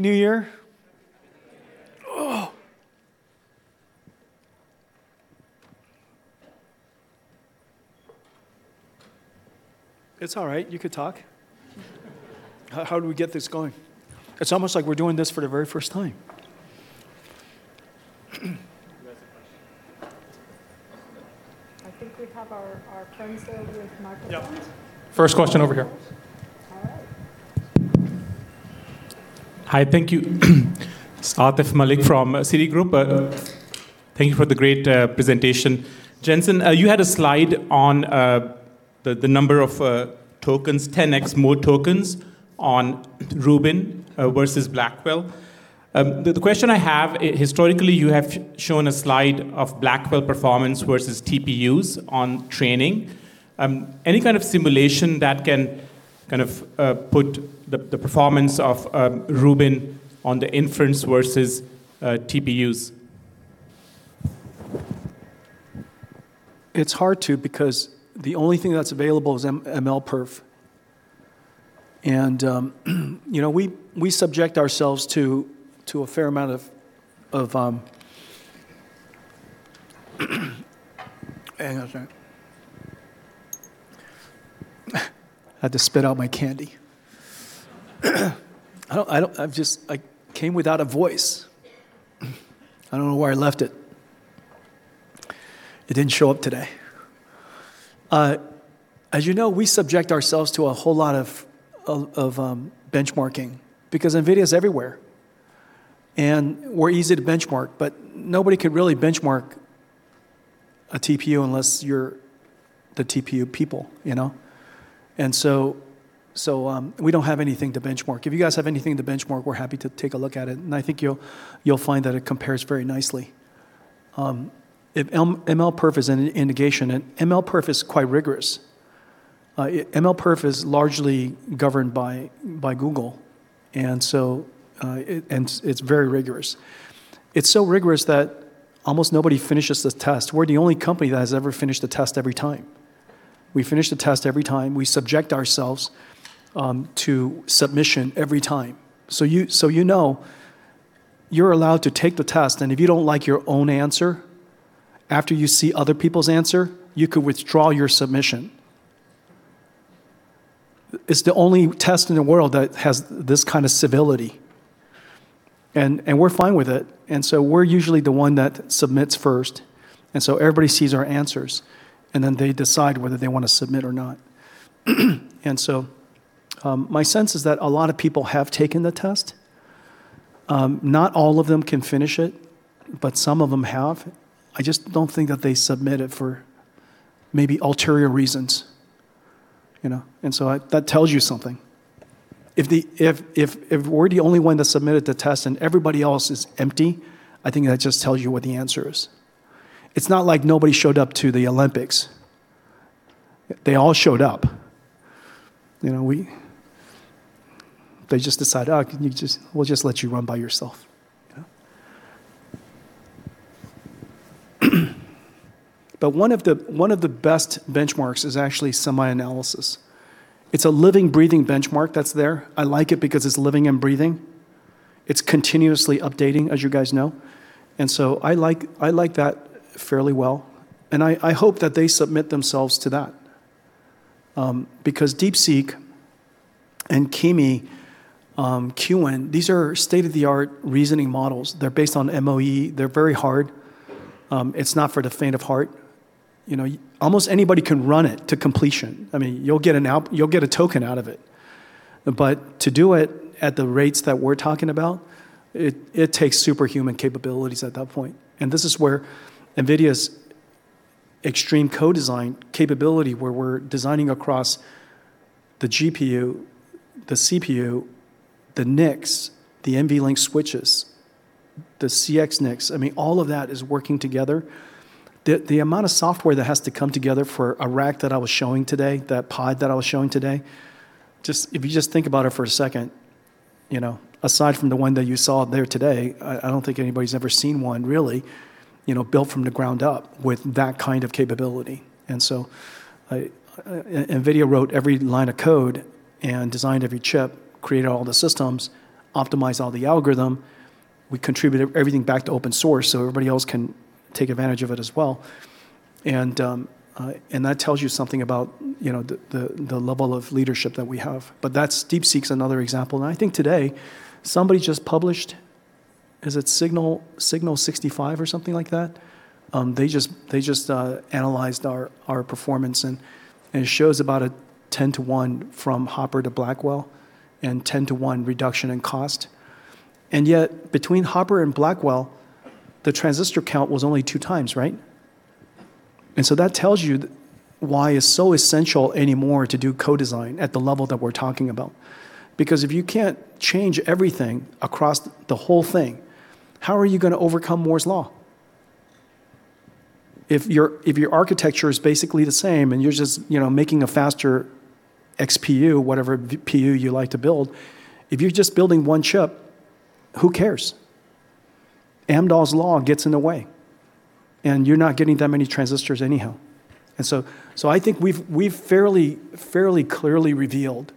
New Year? New Year. Oh. It's all right. You could talk. How do we get this going? It's almost like we're doing this for the very first time. You guys have questions? I think we have our friends there with microphones. Yeah. First question over here. All right. Hi. Thank you. It's Atif Malik from Citigroup. Thank you for the great presentation. Jensen, you had a slide on the number of tokens, 10x more tokens on Rubin versus Blackwell. The question I have, historically, you have shown a slide of Blackwell performance versus TPUs on training. Any kind of simulation that can kind of put the performance of Rubin on the inference versus TPUs? It's hard to because the only thing that's available is MLPerf. And we subject ourselves to a fair amount of, I had to spit out my candy. I came without a voice. I don't know where I left it. It didn't show up today. As you know, we subject ourselves to a whole lot of benchmarking because NVIDIA is everywhere. And we're easy to benchmark. But nobody could really benchmark a TPU unless you're the TPU people. And so we don't have anything to benchmark. If you guys have anything to benchmark, we're happy to take a look at it. And I think you'll find that it compares very nicely. MLPerf is an indication. And MLPerf is quite rigorous. MLPerf is largely governed by Google. And it's very rigorous. It's so rigorous that almost nobody finishes the test. We're the only company that has ever finished the test every time. We finish the test every time. We subject ourselves to submission every time. So you know you're allowed to take the test. And if you don't like your own answer after you see other people's answer, you could withdraw your submission. It's the only test in the world that has this kind of civility. And we're fine with it. And so we're usually the one that submits first. And so everybody sees our answers. And then they decide whether they want to submit or not. And so my sense is that a lot of people have taken the test. Not all of them can finish it. But some of them have. I just don't think that they submit it for maybe ulterior reasons. And so that tells you something. If we're the only one that submitted the test and everybody else is empty, I think that just tells you what the answer is. It's not like nobody showed up to the Olympics. They all showed up. They just decided, "Oh, we'll just let you run by yourself." But one of the best benchmarks is actually SemiAnalysis. It's a living, breathing benchmark that's there. I like it because it's living and breathing. It's continuously updating, as you guys know. And so I like that fairly well. And I hope that they submit themselves to that. Because DeepSeek and Kimi, Qwen, these are state-of-the-art reasoning models. They're based on MOE. They're very hard. It's not for the faint of heart. Almost anybody can run it to completion. I mean, you'll get a token out of it. But to do it at the rates that we're talking about, it takes superhuman capabilities at that point. And this is where NVIDIA's extreme co-design capability, where we're designing across the GPU, the CPU, the NICs, the NVLink switches, the CX NICs, I mean, all of that is working together. The amount of software that has to come together for a rack that I was showing today, that pod that I was showing today, just if you think about it for a second, aside from the one that you saw there today, I don't think anybody's ever seen one really built from the ground up with that kind of capability. And so NVIDIA wrote every line of code and designed every chip, created all the systems, optimized all the algorithm. We contributed everything back to open source so everybody else can take advantage of it as well. That tells you something about the level of leadership that we have. DeepSeek's another example. I think today somebody just published, is it Signal65 or something like that? They just analyzed our performance. It shows about a 10 to 1 from Hopper to Blackwell and 10 to 1 reduction in cost. Yet between Hopper and Blackwell, the transistor count was only two times, right? So that tells you why it's so essential anymore to do co-design at the level that we're talking about. Because if you can't change everything across the whole thing, how are you going to overcome Moore's Law? If your architecture is basically the same and you're just making a faster XPU, whatever PU you like to build, if you're just building one chip, who cares? Amdahl's Law gets in the way. You're not getting that many transistors anyhow. And so I think we've fairly clearly revealed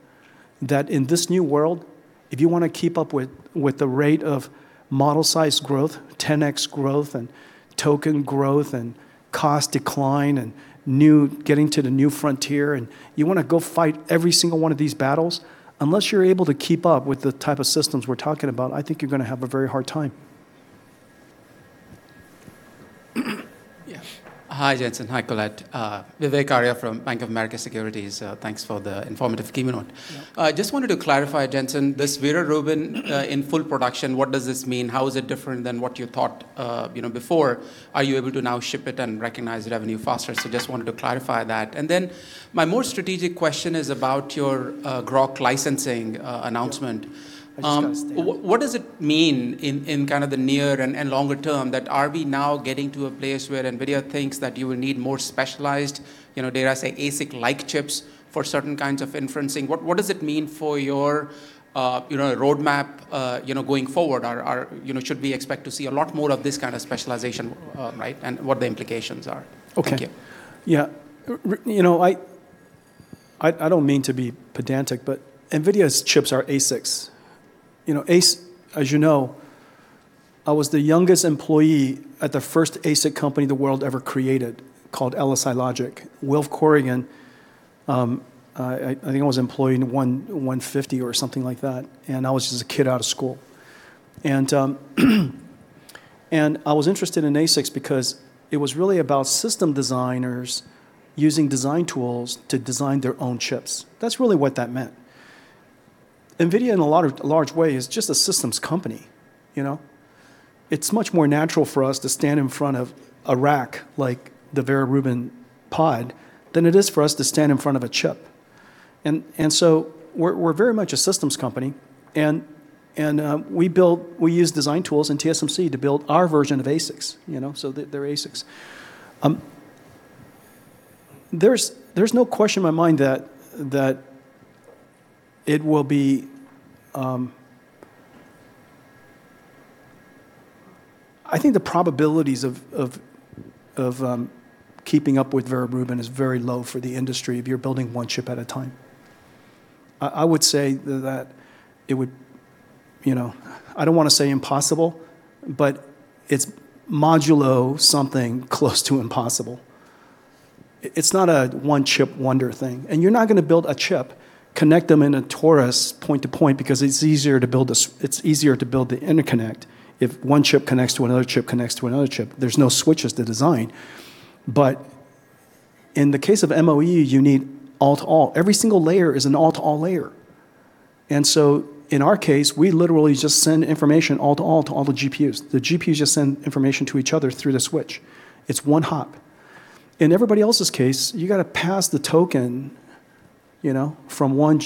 that in this new world, if you want to keep up with the rate of model size growth, 10x growth, and token growth, and cost decline, and getting to the new frontier, and you want to go fight every single one of these battles, unless you're able to keep up with the type of systems we're talking about, I think you're going to have a very hard time. Yeah. Hi, Jensen. Hi, Colette. Vivek Arya from Bank of America Securities. Thanks for the informative keynote. Just wanted to clarify, Jensen, this Vera Rubin in full production, what does this mean? How is it different than what you thought before? Are you able to now ship it and recognize revenue faster? So just wanted to clarify that. And then my more strategic question is about your Groq licensing announcement. What does it mean in kind of the near and longer term? Are we now getting to a place where NVIDIA thinks that you will need more specialized data, say, ASIC-like chips for certain kinds of inference? What does it mean for your roadmap going forward? Should we expect to see a lot more of this kind of specialization, right, and what the implications are? OK. Yeah. I don't mean to be pedantic, but NVIDIA's chips are ASICs. As you know, I was the youngest employee at the first ASIC company the world ever created called LSI Logic. Wilf Corrigan, I think I was employed in 150 or something like that. And I was just a kid out of school. And I was interested in ASICs because it was really about system designers using design tools to design their own chips. That's really what that meant. NVIDIA, in a large way, is just a systems company. It's much more natural for us to stand in front of a rack like the Vera Rubin pod than it is for us to stand in front of a chip. And so we're very much a systems company. And we use design tools and TSMC to build our version of ASICs. So they're ASICs. There's no question in my mind that it will be. I think the probabilities of keeping up with Vera Rubin is very low for the industry if you're building one chip at a time. I would say that it would. I don't want to say impossible, but it's modulo something close to impossible. It's not a one-chip wonder thing. And you're not going to build a chip, connect them in a torus point to point because it's easier to build the interconnect if one chip connects to another chip connects to another chip. There's no switches to design. But in the case of MOE, you need all to all. Every single layer is an all to all layer. And so in our case, we literally just send information all to all to all the GPUs. The GPUs just send information to each other through the switch. It's one hop. In everybody else's case, you've got to pass the token from one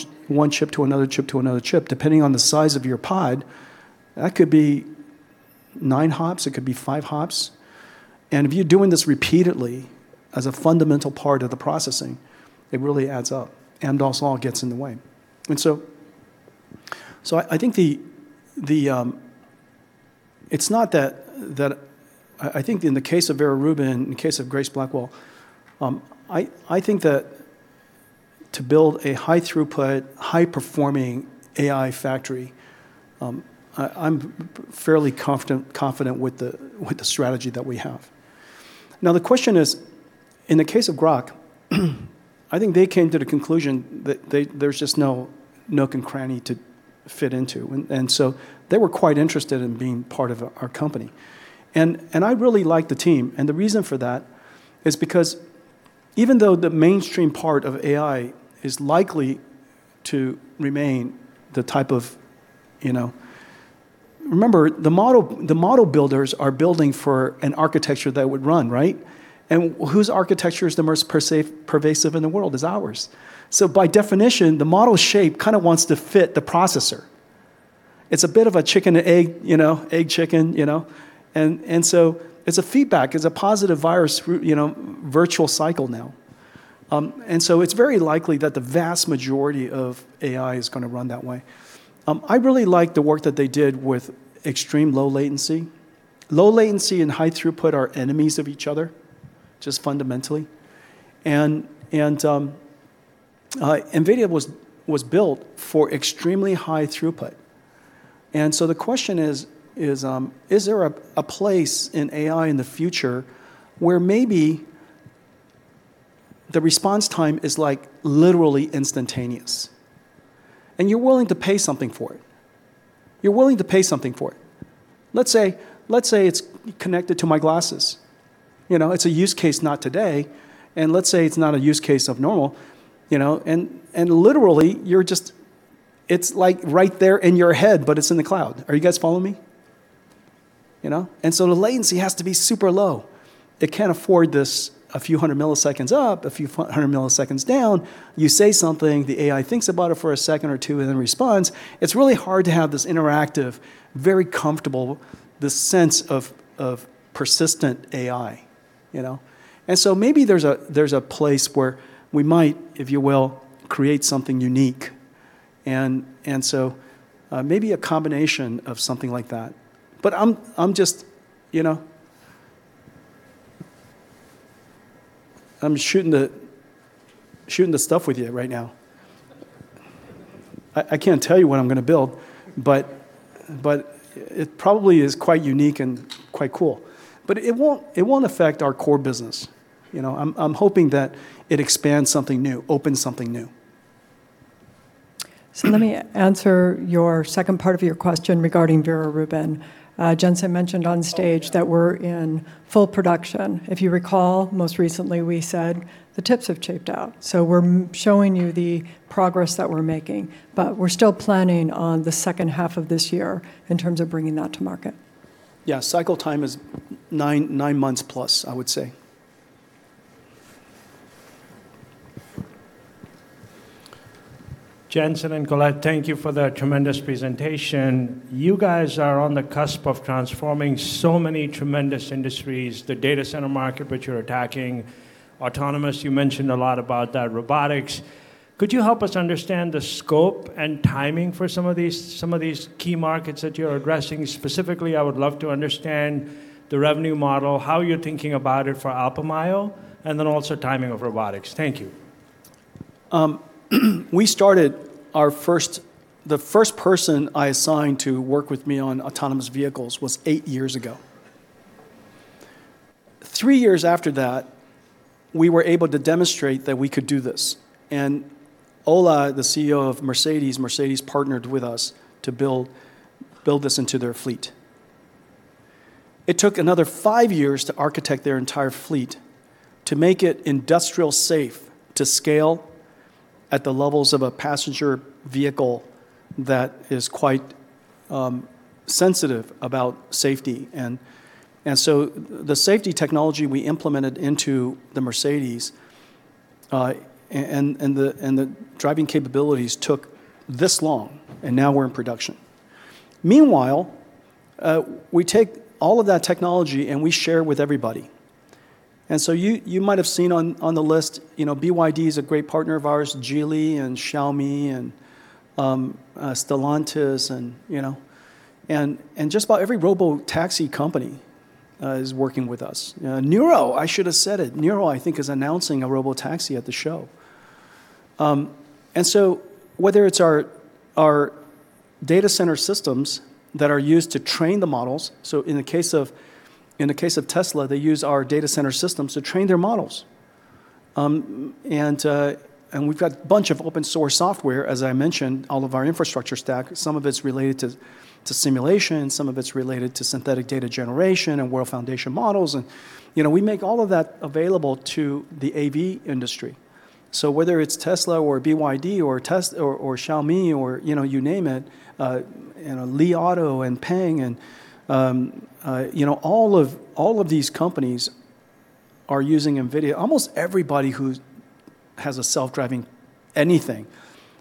chip to another chip to another chip, depending on the size of your pod. That could be nine hops. It could be five hops. And if you're doing this repeatedly as a fundamental part of the processing, it really adds up. Amdahl's Law gets in the way. And so I think it's not that. I think in the case of Vera Rubin, in the case of Grace Blackwell, I think that to build a high-throughput, high-performing AI factory, I'm fairly confident with the strategy that we have. Now, the question is, in the case of Groq, I think they came to the conclusion that there's just no nook and cranny to fit into. And so they were quite interested in being part of our company. And I really like the team. The reason for that is because even though the mainstream part of AI is likely to remain the type of, remember, the model builders are building for an architecture that would run, right? Whose architecture is the most pervasive in the world is ours. By definition, the model shape kind of wants to fit the processor. It's a bit of a chicken and egg, egg chicken. It's a feedback. It's a positive virtuous cycle now. It's very likely that the vast majority of AI is going to run that way. I really like the work that they did with extreme low latency. Low latency and high throughput are enemies of each other, just fundamentally. NVIDIA was built for extremely high throughput. The question is, is there a place in AI in the future where maybe the response time is like literally instantaneous? And you're willing to pay something for it. You're willing to pay something for it. Let's say it's connected to my glasses. It's a use case not today. And let's say it's not a use case of normal. And literally, it's like right there in your head, but it's in the cloud. Are you guys following me? And so the latency has to be super low. It can't afford this a few hundred milliseconds up, a few hundred milliseconds down. You say something, the AI thinks about it for a second or two and then responds. It's really hard to have this interactive, very comfortable, the sense of persistent AI. And so maybe there's a place where we might, if you will, create something unique. And so maybe a combination of something like that. But I'm just shooting the stuff with you right now. I can't tell you what I'm going to build. But it probably is quite unique and quite cool. But it won't affect our core business. I'm hoping that it expands something new, opens something new. So let me answer your second part of your question regarding Vera Rubin. Jensen mentioned on stage that we're in full production. If you recall, most recently, we said the chips have taped out. So we're showing you the progress that we're making. But we're still planning on the second half of this year in terms of bringing that to market. Yeah, cycle time is nine months plus, I would say. Jensen and Colette, thank you for the tremendous presentation. You guys are on the cusp of transforming so many tremendous industries, the data center market, which you're attacking, autonomous. You mentioned a lot about that, robotics. Could you help us understand the scope and timing for some of these key markets that you're addressing? Specifically, I would love to understand the revenue model, how you're thinking about it for Alpamayo, and then also timing of robotics. Thank you. We started. The first person I assigned to work with me on autonomous vehicles was eight years ago. Three years after that, we were able to demonstrate that we could do this, and Ola, the CEO of Mercedes-Benz, Mercedes-Benz partnered with us to build this into their fleet. It took another five years to architect their entire fleet to make it industrial safe to scale at the levels of a passenger vehicle that is quite sensitive about safety, and so the safety technology we implemented into the Mercedes-Benz and the driving capabilities took this long, and now we're in production. Meanwhile, we take all of that technology and we share with everybody, and so you might have seen on the list, BYD is a great partner of ours, Geely and Xiaomi and Stellantis, and just about every robotaxi company is working with us. Nuro, I should have said it. Nuro, I think, is announcing a robotaxi at the show. And so whether it's our data center systems that are used to train the models, so in the case of Tesla, they use our data center systems to train their models. And we've got a bunch of open source software, as I mentioned, all of our infrastructure stack. Some of it's related to simulation. Some of it's related to synthetic data generation and world foundation models. And we make all of that available to the AV industry. So whether it's Tesla or BYD or Xiaomi or you name it, Li Auto and XPeng, all of these companies are using NVIDIA. Almost everybody who has a self-driving anything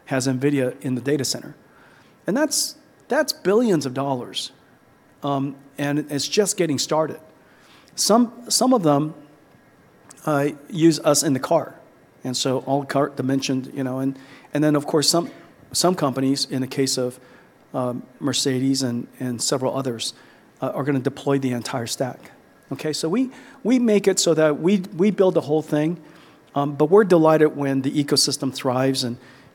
has NVIDIA in the data center. And that's billions of dollars. And it's just getting started. Some of them use us in the car. And so all the car dimensions. And then, of course, some companies, in the case of Mercedes and several others, are going to deploy the entire stack. So we make it so that we build the whole thing. But we're delighted when the ecosystem thrives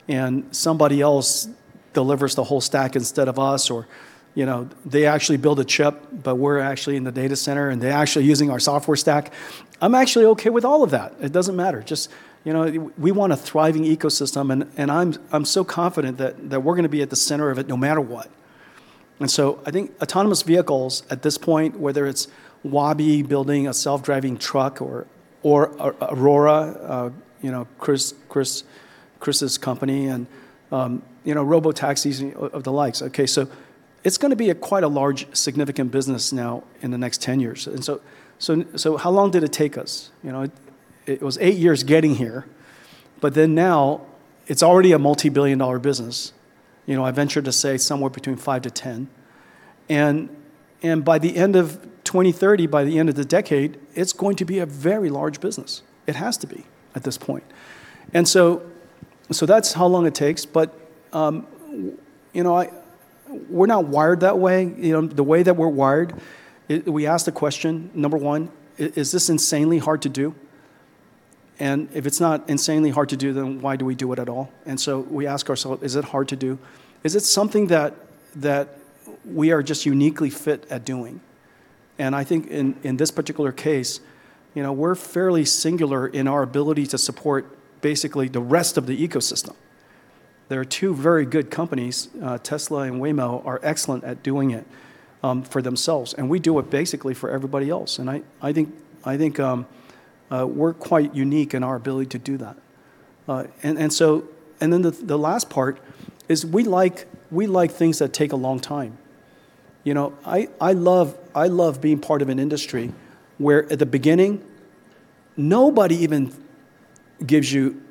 and somebody else delivers the whole stack instead of us. Or they actually build a chip, but we're actually in the data center, and they're actually using our software stack. I'm actually OK with all of that. It doesn't matter. We want a thriving ecosystem. And I'm so confident that we're going to be at the center of it no matter what. And so I think autonomous vehicles at this point, whether it's Waabi building a self-driving truck or Aurora, Chris's company, and robotaxis of the likes. So it's going to be quite a large significant business now in the next 10 years. So how long did it take us? It was eight years getting here. But then now it's already a multi-billion-dollar business. I ventured to say somewhere between $5-$10 billion. By the end of 2030, by the end of the decade, it's going to be a very large business. It has to be at this point. That's how long it takes. But we're not wired that way. The way that we're wired, we ask the question, number one, is this insanely hard to do? And if it's not insanely hard to do, then why do we do it at all? We ask ourselves, is it hard to do? Is it something that we are just uniquely fit at doing? And I think in this particular case, we're fairly singular in our ability to support basically the rest of the ecosystem. There are two very good companies, Tesla and Waymo, who are excellent at doing it for themselves. And we do it basically for everybody else. And I think we're quite unique in our ability to do that. And then the last part is we like things that take a long time. I love being part of an industry where at the beginning, nobody even gives you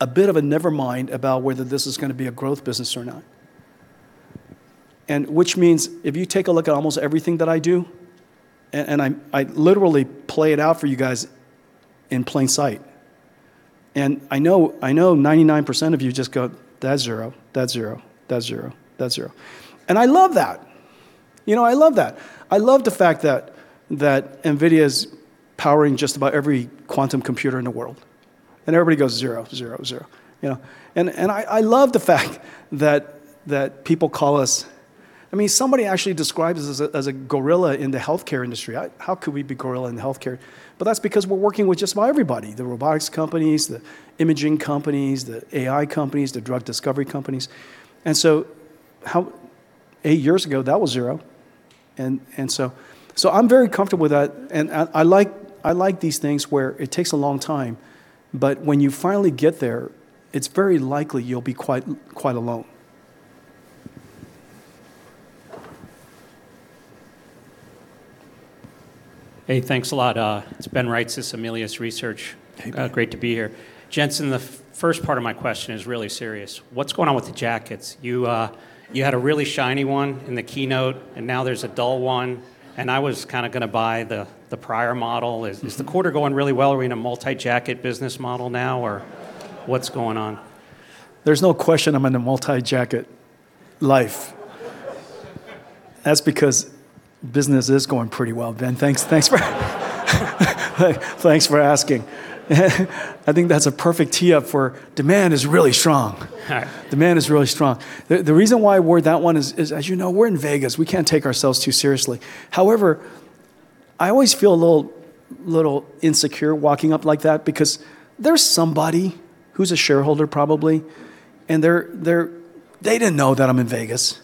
a bit of a never mind about whether this is going to be a growth business or not. And which means if you take a look at almost everything that I do, and I literally play it out for you guys in plain sight. And I know 99% of you just go, that's zero. That's zero. That's zero. That's zero. And I love that. I love that. I love the fact that NVIDIA is powering just about every quantum computer in the world. And everybody goes zero, zero, zero. And I love the fact that people call us, I mean, somebody actually described us as a gorilla in the health care industry. How could we be a gorilla in health care? But that's because we're working with just about everybody, the robotics companies, the imaging companies, the AI companies, the drug discovery companies. And so eight years ago, that was zero. And so I'm very comfortable with that. And I like these things where it takes a long time. But when you finally get there, it's very likely you'll be quite alone. Hey, thanks a lot. It's Ben Reitzes, Melius Research. Great to be here. Jensen, the first part of my question is really serious. What's going on with the jackets? You had a really shiny one in the keynote. And now there's a dull one. And I was kind of going to buy the prior model. Is the quarter going really well? Are we in a multi-jacket business model now? Or what's going on? There's no question I'm in a multi-jacket life. That's because business is going pretty well, Ben. Thanks for asking. I think that's a perfect tee-up for demand is really strong. Demand is really strong. The reason why I wore that one is, as you know, we're in Vegas. We can't take ourselves too seriously. However, I always feel a little insecure walking up like that because there's somebody who's a shareholder, probably. And they didn't know that I'm in Vegas.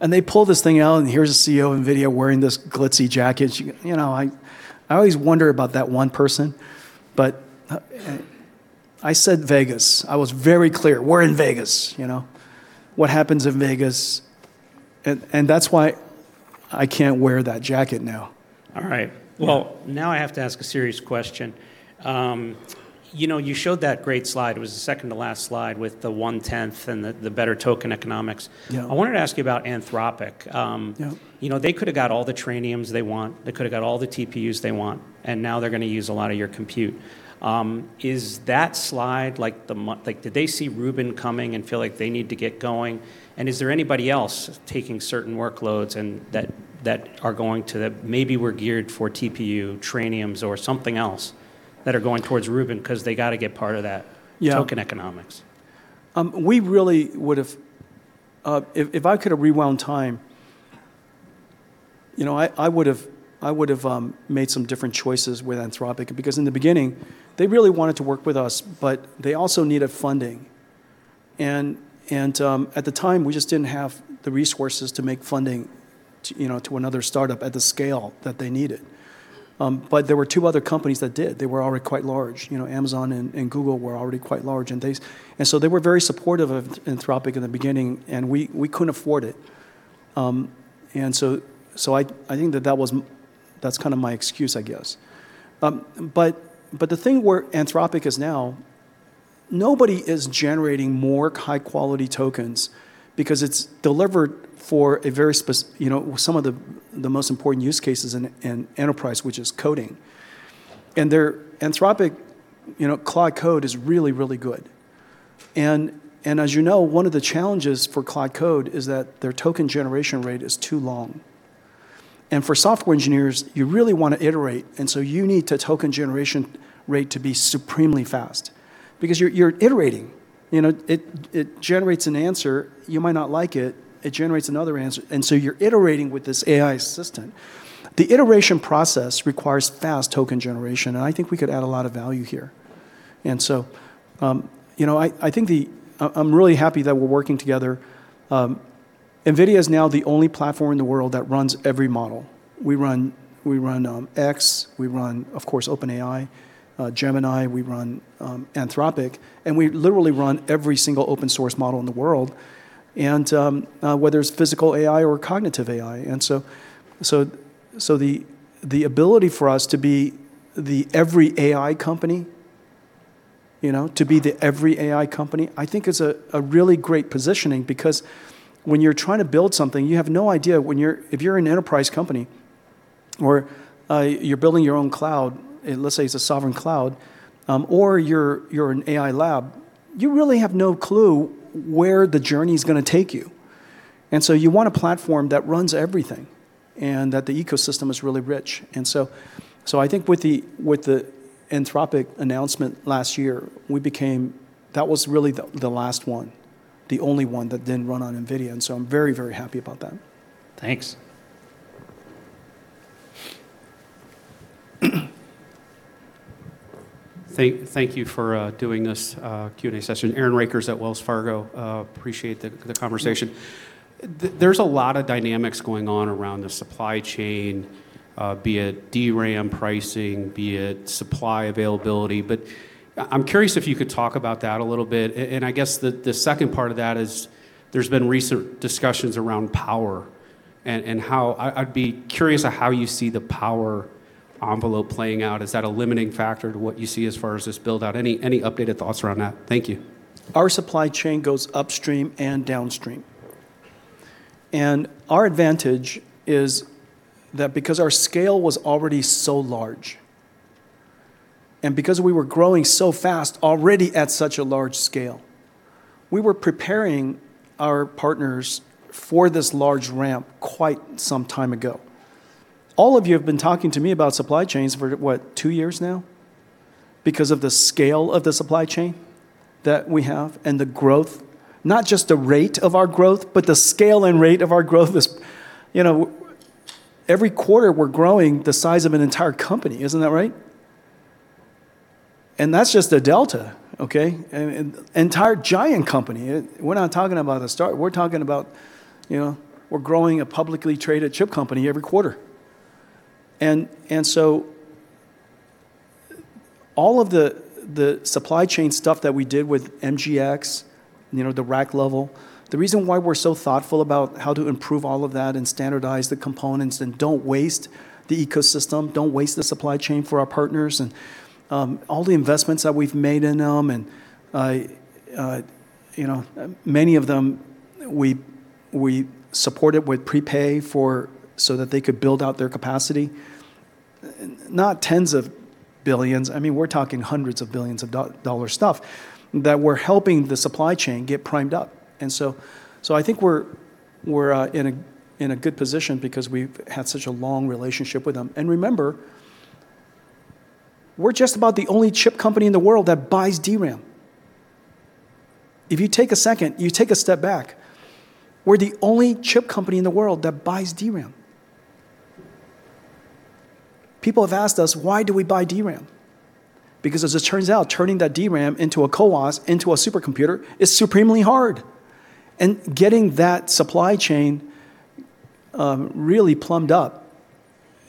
And they pull this thing out. And here's a CEO of NVIDIA wearing this glitzy jacket. I always wonder about that one person. But I said Vegas. I was very clear. We're in Vegas. What happens in Vegas? And that's why I can't wear that jacket now. All right. Well, now I have to ask a serious question. You showed that great slide. It was the second to last slide with the 1/10 and the better token economics. I wanted to ask you about Anthropic. They could have got all the trainings they want. They could have got all the TPUs they want. And now they're going to use a lot of your compute. Is that slide like did they see Rubin coming and feel like they need to get going? And is there anybody else taking certain workloads that are going to that maybe were geared for TPU trainings or something else that are going towards Rubin because they got to get part of that token economics? We really would have. If I could have rewound time, I would have made some different choices with Anthropic because in the beginning, they really wanted to work with us. But they also needed funding. And at the time, we just didn't have the resources to make funding to another startup at the scale that they needed. But there were two other companies that did. They were already quite large. Amazon and Google were already quite large. And so they were very supportive of Anthropic in the beginning. And we couldn't afford it. And so I think that that's kind of my excuse, I guess. But the thing where Anthropic is now, nobody is generating more high-quality tokens because it's delivered for some of the most important use cases in enterprise, which is coding. And Anthropic's Claude is really, really good. And as you know, one of the challenges for Claude is that their token generation rate is too long. And for software engineers, you really want to iterate. And so you need the token generation rate to be supremely fast because you're iterating. It generates an answer. You might not like it. It generates another answer. And so you're iterating with this AI assistant. The iteration process requires fast token generation. And I think we could add a lot of value here. And so I think I'm really happy that we're working together. NVIDIA is now the only platform in the world that runs every model. We run xAI. We run, of course, OpenAI, Gemini. We run Anthropic. And we literally run every single open source model in the world, whether it's physical AI or cognitive AI. And so the ability for us to be the every AI company, to be the every AI company, I think is a really great positioning because when you're trying to build something, you have no idea. If you're an enterprise company or you're building your own cloud, let's say it's a sovereign cloud, or you're an AI lab, you really have no clue where the journey is going to take you. And so you want a platform that runs everything and that the ecosystem is really rich. And so I think with the Anthropic announcement last year, that was really the last one, the only one that didn't run on NVIDIA. And so I'm very, very happy about that. Thanks. Thank you for doing this Q&A session. Aaron Rakers at Wells Fargo. Appreciate the conversation. There's a lot of dynamics going on around the supply chain, be it VRAM pricing, be it supply availability. But I'm curious if you could talk about that a little bit. And I guess the second part of that is there's been recent discussions around power. And I'd be curious how you see the power envelope playing out. Is that a limiting factor to what you see as far as this build-out? Any updated thoughts around that? Thank you. Our supply chain goes upstream and downstream, and our advantage is that because our scale was already so large and because we were growing so fast already at such a large scale, we were preparing our partners for this large ramp quite some time ago. All of you have been talking to me about supply chains for, what, two years now? Because of the scale of the supply chain that we have and the growth, not just the rate of our growth, but the scale and rate of our growth. Every quarter, we're growing the size of an entire company. Isn't that right? And that's just a delta, an entire giant company. We're not talking about the start. We're talking about growing a publicly traded chip company every quarter. And so all of the supply chain stuff that we did with MGX, the rack level, the reason why we're so thoughtful about how to improve all of that and standardize the components and don't waste the ecosystem, don't waste the supply chain for our partners, and all the investments that we've made in them. And many of them, we supported with prepay so that they could build out their capacity. Not tens of billions. I mean, we're talking hundreds of billions of dollars stuff that we're helping the supply chain get primed up. And so I think we're in a good position because we've had such a long relationship with them. And remember, we're just about the only chip company in the world that buys VRAM. If you take a second, you take a step back, we're the only chip company in the world that buys VRAM. People have asked us, why do we buy VRAM? Because as it turns out, turning that VRAM into a CoWoS, into a supercomputer, is supremely hard. And getting that supply chain really plumbed up,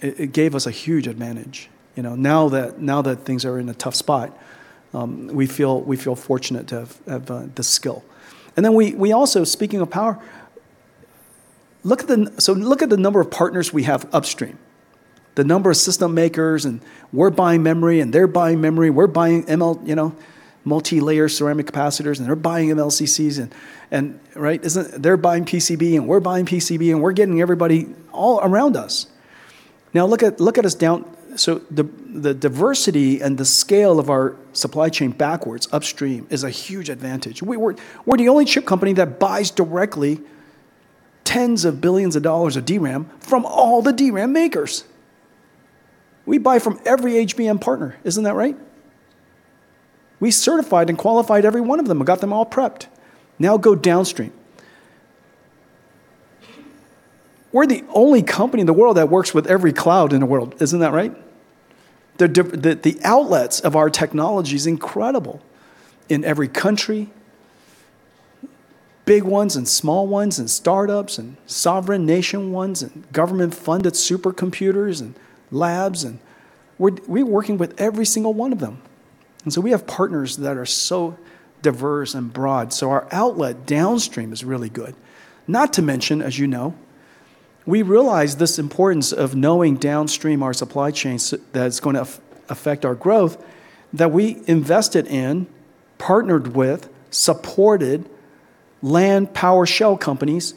it gave us a huge advantage. Now that things are in a tough spot, we feel fortunate to have the skill. And then we also, speaking of power, so look at the number of partners we have upstream, the number of system makers. And we're buying memory. And they're buying memory. We're buying multi-layer ceramic capacitors. And they're buying MLCCs. And they're buying PCB. And we're buying PCB. And we're getting everybody all around us. Now look downstream. So the diversity and the scale of our supply chain backwards upstream is a huge advantage. We're the only chip company that buys directly tens of billions of dollars of VRAM from all the VRAM makers. We buy from every HBM partner. Isn't that right? We certified and qualified every one of them and got them all prepped. Now go downstream. We're the only company in the world that works with every cloud in the world. Isn't that right? The outlets of our technology is incredible in every country, big ones and small ones and startups and sovereign nation ones and government-funded supercomputers and labs, and we're working with every single one of them, and so we have partners that are so diverse and broad, so our outlet downstream is really good. Not to mention, as you know, we realized this importance of knowing downstream our supply chain that's going to affect our growth that we invested in, partnered with, and supported land, power, and shell companies.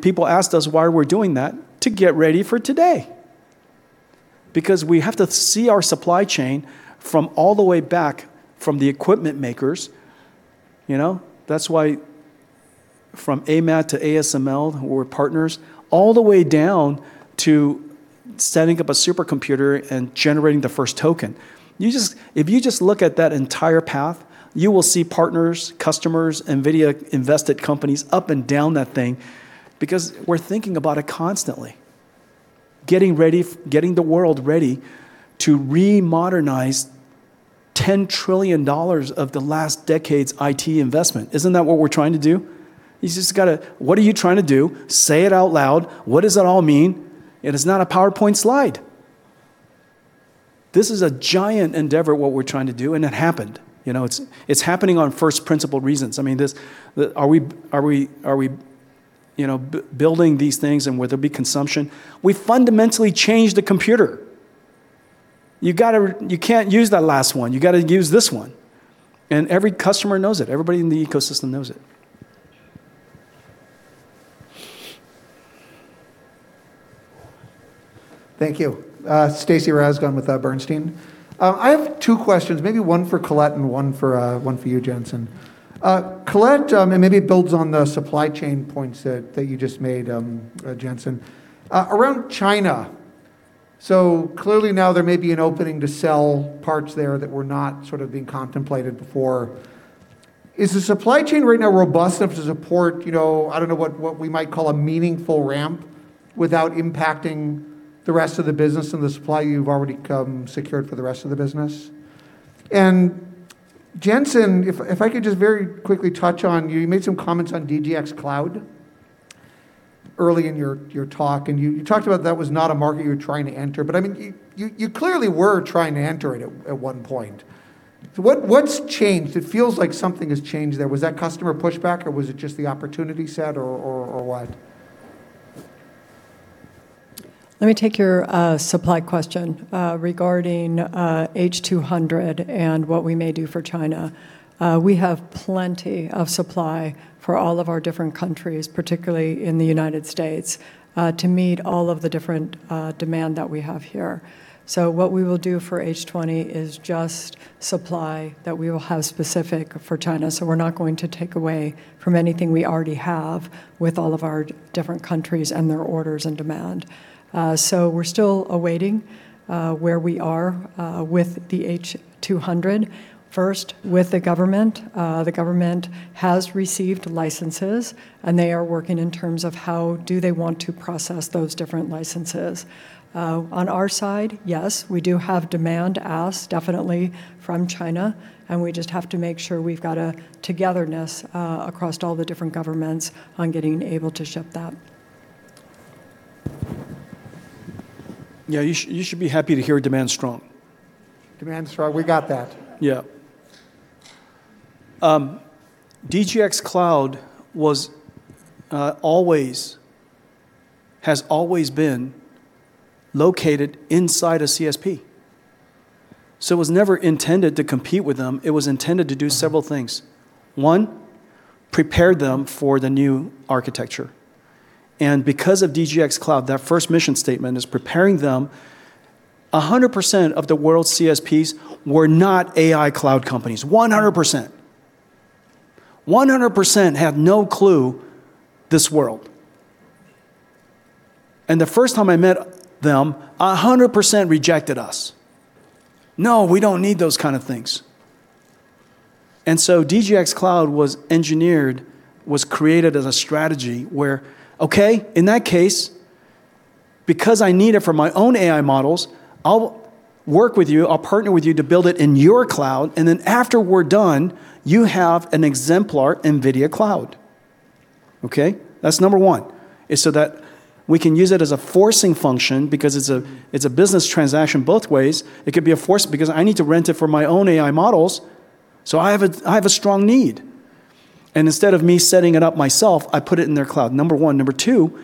People asked us why we're doing that to get ready for today because we have to see our supply chain from all the way back from the equipment makers. That's why from AMAT to ASML, who were partners, all the way down to setting up a supercomputer and generating the first token. If you just look at that entire path, you will see partners, customers, NVIDIA invested companies up and down that thing because we're thinking about it constantly, getting the world ready to remodernize $10 trillion of the last decade's IT investment. Isn't that what we're trying to do? You just got to what are you trying to do? Say it out loud. What does it all mean? It's not a PowerPoint slide. This is a giant endeavor what we're trying to do. It happened. It's happening on first principle reasons. I mean, are we building these things? And will there be consumption? We fundamentally changed the computer. You can't use that last one. You got to use this one. And every customer knows it. Everybody in the ecosystem knows it. Thank you. Stacy Rasgon with Bernstein. I have two questions, maybe one for Colette and one for you, Jensen. Colette, and maybe it builds on the supply chain points that you just made, Jensen. Around China, so clearly now there may be an opening to sell parts there that were not sort of being contemplated before. Is the supply chain right now robust enough to support, I don't know, what we might call a meaningful ramp without impacting the rest of the business and the supply you've already secured for the rest of the business? And Jensen, if I could just very quickly touch on you made some comments on DGX Cloud early in your talk. And you talked about that was not a market you were trying to enter. But I mean, you clearly were trying to enter it at one point. What's changed? It feels like something has changed there. Was that customer pushback? Or was it just the opportunity set or what? Let me take your supply question regarding H200 and what we may do for China. We have plenty of supply for all of our different countries, particularly in the United States, to meet all of the different demand that we have here. So what we will do for H20 is just supply that we will have specific for China. So we're not going to take away from anything we already have with all of our different countries and their orders and demand. So we're still awaiting where we are with the H200. First, with the government. The government has received licenses, and they are working in terms of how do they want to process those different licenses. On our side, yes, we do have demand asked definitely from China. We just have to make sure we've got a togetherness across all the different governments on getting able to ship that. Yeah, you should be happy to hear demand strong. Demand strong. We got that. Yeah. DGX Cloud has always been located inside a CSP. So it was never intended to compete with them. It was intended to do several things. One, prepared them for the new architecture. And because of DGX Cloud, that first mission statement is preparing them. 100% of the world's CSPs were not AI cloud companies, 100%. 100% have no clue this world. And the first time I met them, 100% rejected us. No, we don't need those kind of things. And so DGX Cloud was engineered, was created as a strategy where, OK, in that case, because I need it for my own AI models, I'll work with you. I'll partner with you to build it in your cloud. And then after we're done, you have an exemplar NVIDIA Cloud. OK? That's number one. So that we can use it as a forcing function because it's a business transaction both ways. It could be a force because I need to rent it for my own AI models. So I have a strong need. And instead of me setting it up myself, I put it in their cloud, number one. Number two,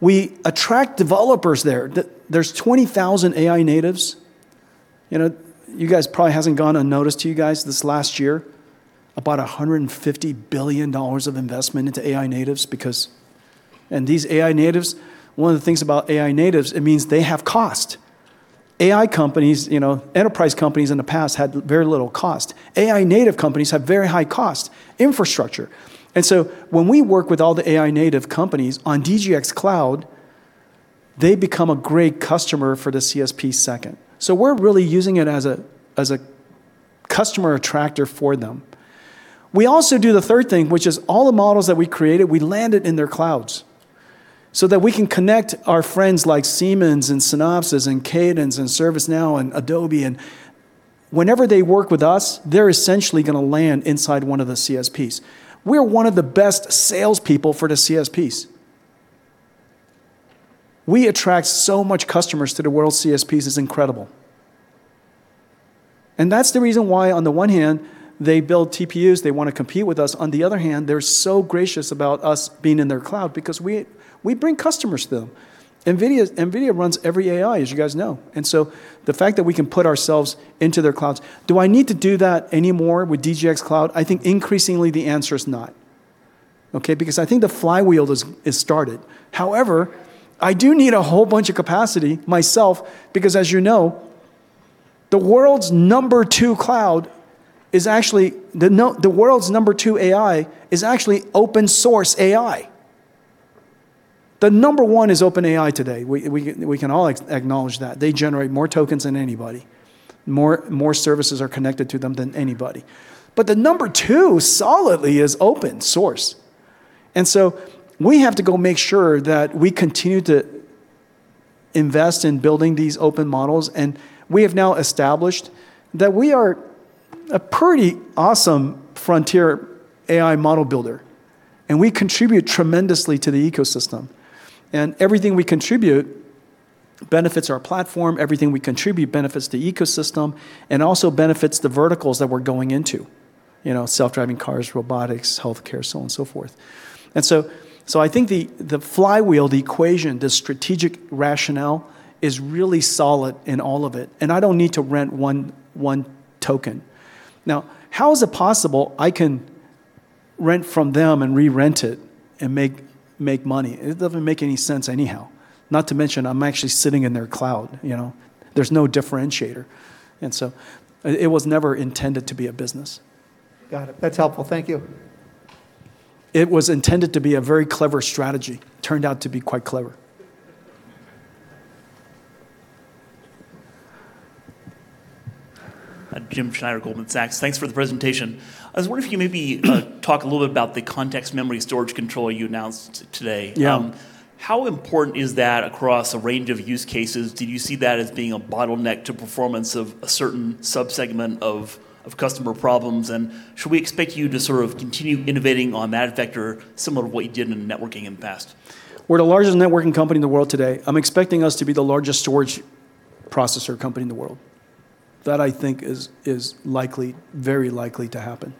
we attract developers there. There's 20,000 AI natives. You guys probably hasn't gone unnoticed to you guys this last year, about $150 billion of investment into AI natives because and these AI natives, one of the things about AI natives, it means they have cost. AI companies, enterprise companies in the past had very little cost. AI native companies have very high cost infrastructure. And so when we work with all the AI native companies on DGX Cloud, they become a great customer for the CSP second. So we're really using it as a customer attractor for them. We also do the third thing, which is all the models that we created, we land it in their clouds so that we can connect our friends like Siemens and Synopsys and Cadence and ServiceNow and Adobe. And whenever they work with us, they're essentially going to land inside one of the CSPs. We're one of the best salespeople for the CSPs. We attract so much customers to the world's CSPs. It's incredible. And that's the reason why on the one hand, they build TPUs. They want to compete with us. On the other hand, they're so gracious about us being in their cloud because we bring customers to them. NVIDIA runs every AI, as you guys know. And so the fact that we can put ourselves into their clouds, do I need to do that anymore with DGX Cloud? I think increasingly the answer is not because I think the flywheel is started. However, I do need a whole bunch of capacity myself because, as you know, the world's number two cloud is actually the world's number two AI is actually open source AI. The number one is OpenAI today. We can all acknowledge that. They generate more tokens than anybody. More services are connected to them than anybody. But the number two solidly is open source. And so we have to go make sure that we continue to invest in building these open models. And we have now established that we are a pretty awesome frontier AI model builder. And we contribute tremendously to the ecosystem. And everything we contribute benefits our platform. Everything we contribute benefits the ecosystem and also benefits the verticals that we're going into: self-driving cars, robotics, health care, so on and so forth. And so I think the flywheel, the equation, the strategic rationale is really solid in all of it. And I don't need to rent one token. Now, how is it possible I can rent from them and re-rent it and make money? It doesn't make any sense anyhow, not to mention I'm actually sitting in their cloud. There's no differentiator. And so it was never intended to be a business. Got it. That's helpful. Thank you. It was intended to be a very clever strategy. Turned out to be quite clever. I'm Jim Schneider, Goldman Sachs. Thanks for the presentation. I was wondering if you maybe talk a little bit about the context memory storage controller you announced today. How important is that across a range of use cases? Did you see that as being a bottleneck to performance of a certain subsegment of customer problems, and should we expect you to sort of continue innovating on that vector similar to what you did in networking in the past? We're the largest networking company in the world today. I'm expecting us to be the largest storage processor company in the world. That I think is likely, very likely to happen.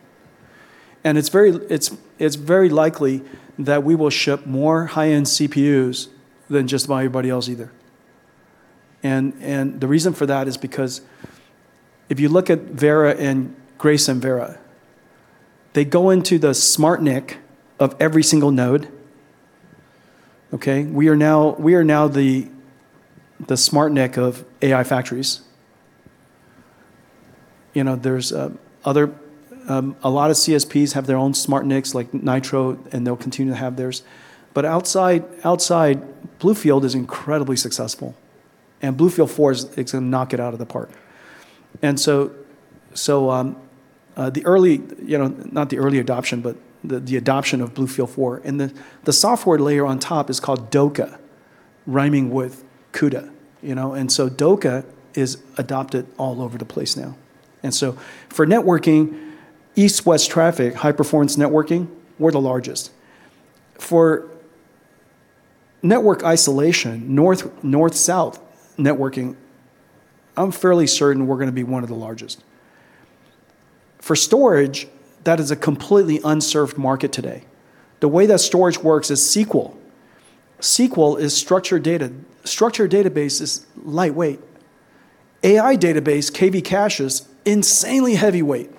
And it's very likely that we will ship more high-end CPUs than just by anybody else either. And the reason for that is because if you look at Rubin and Grace and Rubin, they go into the SmartNIC of every single node. We are now the SmartNIC of AI factories. A lot of CSPs have their own SmartNICs like Nitro. And they'll continue to have theirs. But outside, BlueField is incredibly successful. And BlueField-4 is going to knock it out of the park. And so the adoption of BlueField-4. And the software layer on top is called DOCA, rhyming with CUDA. DOCA is adopted all over the place now. For networking, east-west traffic, high-performance networking, we're the largest. For network isolation, north-south networking, I'm fairly certain we're going to be one of the largest. For storage, that is a completely unserved market today. The way that storage works is SQL. SQL is structured data. Structured database is lightweight. AI database, KV Cache is insanely heavyweight.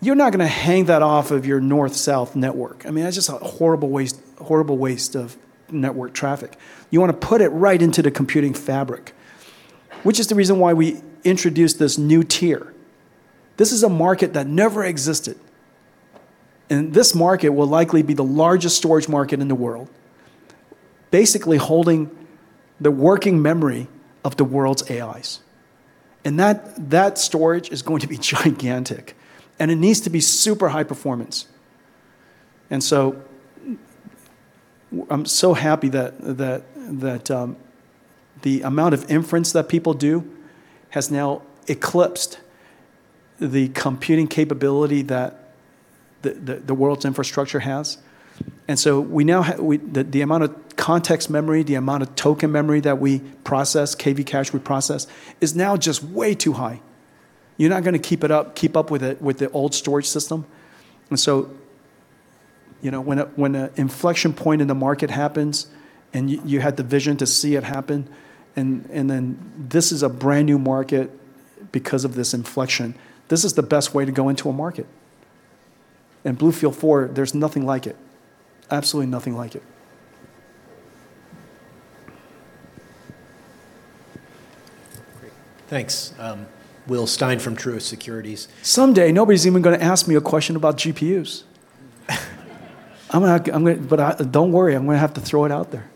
You're not going to hang that off of your north-south network. I mean, that's just a horrible waste of network traffic. You want to put it right into the computing fabric, which is the reason why we introduced this new tier. This is a market that never existed. This market will likely be the largest storage market in the world, basically holding the working memory of the world's AIs. That storage is going to be gigantic. It needs to be super high performance. So I'm so happy that the amount of inference that people do has now eclipsed the computing capability that the world's infrastructure has. The amount of context memory, the amount of token memory that we process, KV Cache we process, is now just way too high. You're not going to keep up with the old storage system. When an inflection point in the market happens and you had the vision to see it happen, then this is a brand new market because of this inflection. This is the best way to go into a market. BlueField-4, there's nothing like it, absolutely nothing like it. Great. Thanks. Will Stein from Truist Securities. Someday nobody's even going to ask me a question about GPUs. But don't worry. I'm going to have to throw it out there.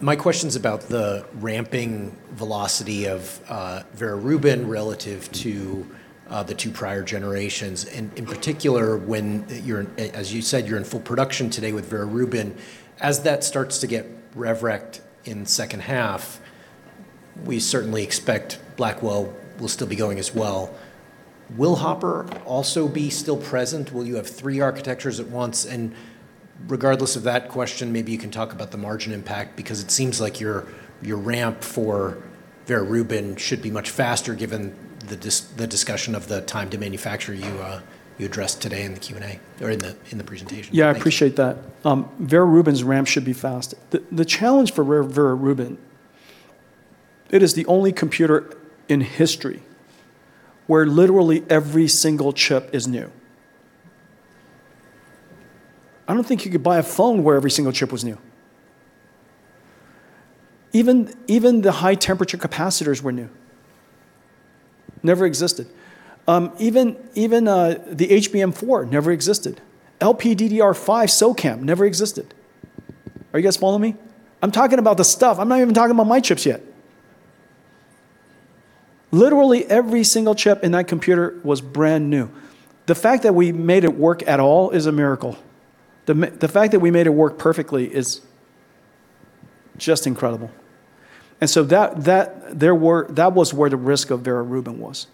My question's about the ramping velocity of Vera Rubin relative to the two prior generations. And in particular, as you said, you're in full production today with Vera Rubin. As that starts to get rev-rec in second half, we certainly expect Blackwell will still be going as well. Will Hopper also be still present? Will you have three architectures at once? And regardless of that question, maybe you can talk about the margin impact because it seems like your ramp for Vera Rubin should be much faster given the discussion of the time to manufacture you addressed today in the Q&A or in the presentation. Yeah, I appreciate that. Vera Rubin's ramp should be fast. The challenge for Vera Rubin, it is the only computer in history where literally every single chip is new. I don't think you could buy a phone where every single chip was new. Even the high-temperature capacitors were new, never existed. Even the HBM4 never existed. LPDDR5 SoCamm never existed. Are you guys following me? I'm talking about the stuff. I'm not even talking about my chips yet. Literally every single chip in that computer was brand new. The fact that we made it work at all is a miracle. The fact that we made it work perfectly is just incredible. And so that was where the risk of Vera Rubin was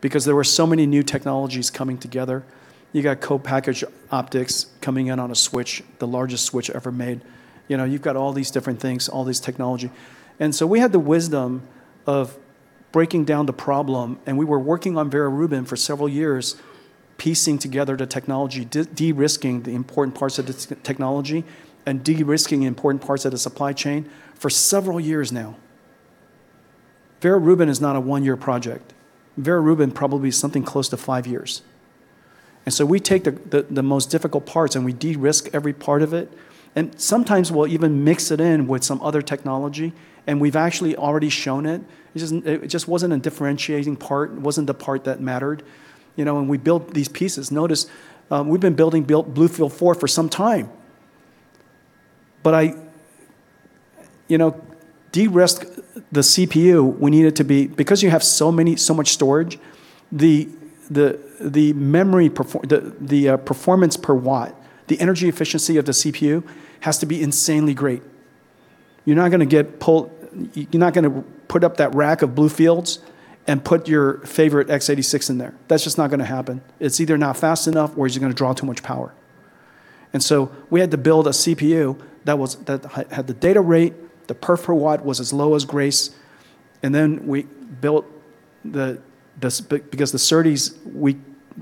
because there were so many new technologies coming together. You got co-packaged optics coming in on a switch, the largest switch ever made. You've got all these different things, all this technology, and so we had the wisdom of breaking down the problem, and we were working on Vera Rubin for several years, piecing together the technology, de-risking the important parts of the technology, and de-risking important parts of the supply chain for several years now. Vera Rubin is not a one-year project. Vera Rubin probably is something close to five years, and so we take the most difficult parts and we de-risk every part of it. And sometimes we'll even mix it in with some other technology, and we've actually already shown it. It just wasn't a differentiating part. It wasn't the part that mattered, and we build these pieces. Notice we've been building BlueField-4 for some time, but de-risk the CPU. We need it to be, because you have so much storage, the performance per watt, the energy efficiency of the CPU has to be insanely great. You're not going to get pulled. You're not going to put up that rack of BlueFields and put your favorite x86 in there. That's just not going to happen. It's either not fast enough or you're going to draw too much power. And so we had to build a CPU that had the data rate. The perf per watt was as low as Grace. And then we built it because the SerDes, we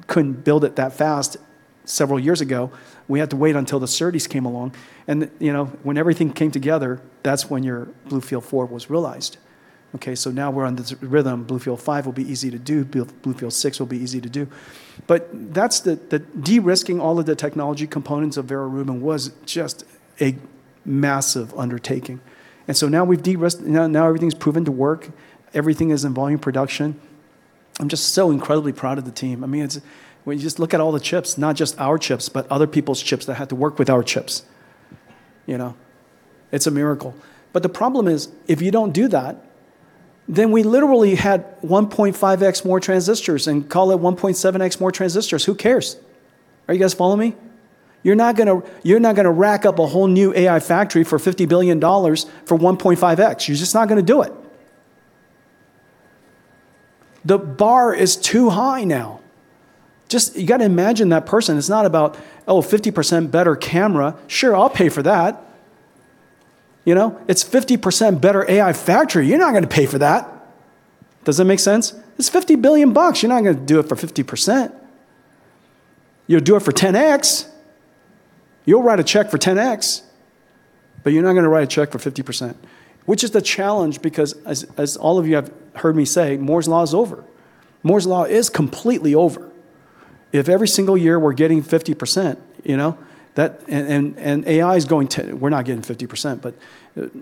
couldn't build it that fast several years ago. We had to wait until the SerDes came along. And when everything came together, that's when your BlueField-4 was realized. So now we're on the rhythm. BlueField-5 will be easy to do. BlueField-6 will be easy to do. But de-risking all of the technology components of Vera Rubin was just a massive undertaking. And so now everything's proven to work. Everything is in volume production. I'm just so incredibly proud of the team. I mean, when you just look at all the chips, not just our chips, but other people's chips that had to work with our chips, it's a miracle. But the problem is if you don't do that, then we literally had 1.5x more transistors and call it 1.7x more transistors. Who cares? Are you guys following me? You're not going to rack up a whole new AI factory for $50 billion for 1.5x. You're just not going to do it. The bar is too high now. Just you got to imagine that person. It's not about, oh, 50% better camera. Sure, I'll pay for that. It's 50% better AI factory. You're not going to pay for that. Does that make sense? It's $50 billion. You're not going to do it for 50%. You'll do it for 10x. You'll write a check for 10x. But you're not going to write a check for 50%, which is the challenge because as all of you have heard me say, Moore's Law is over. Moore's Law is completely over. If every single year we're getting 50% and AI is going to we're not getting 50%, but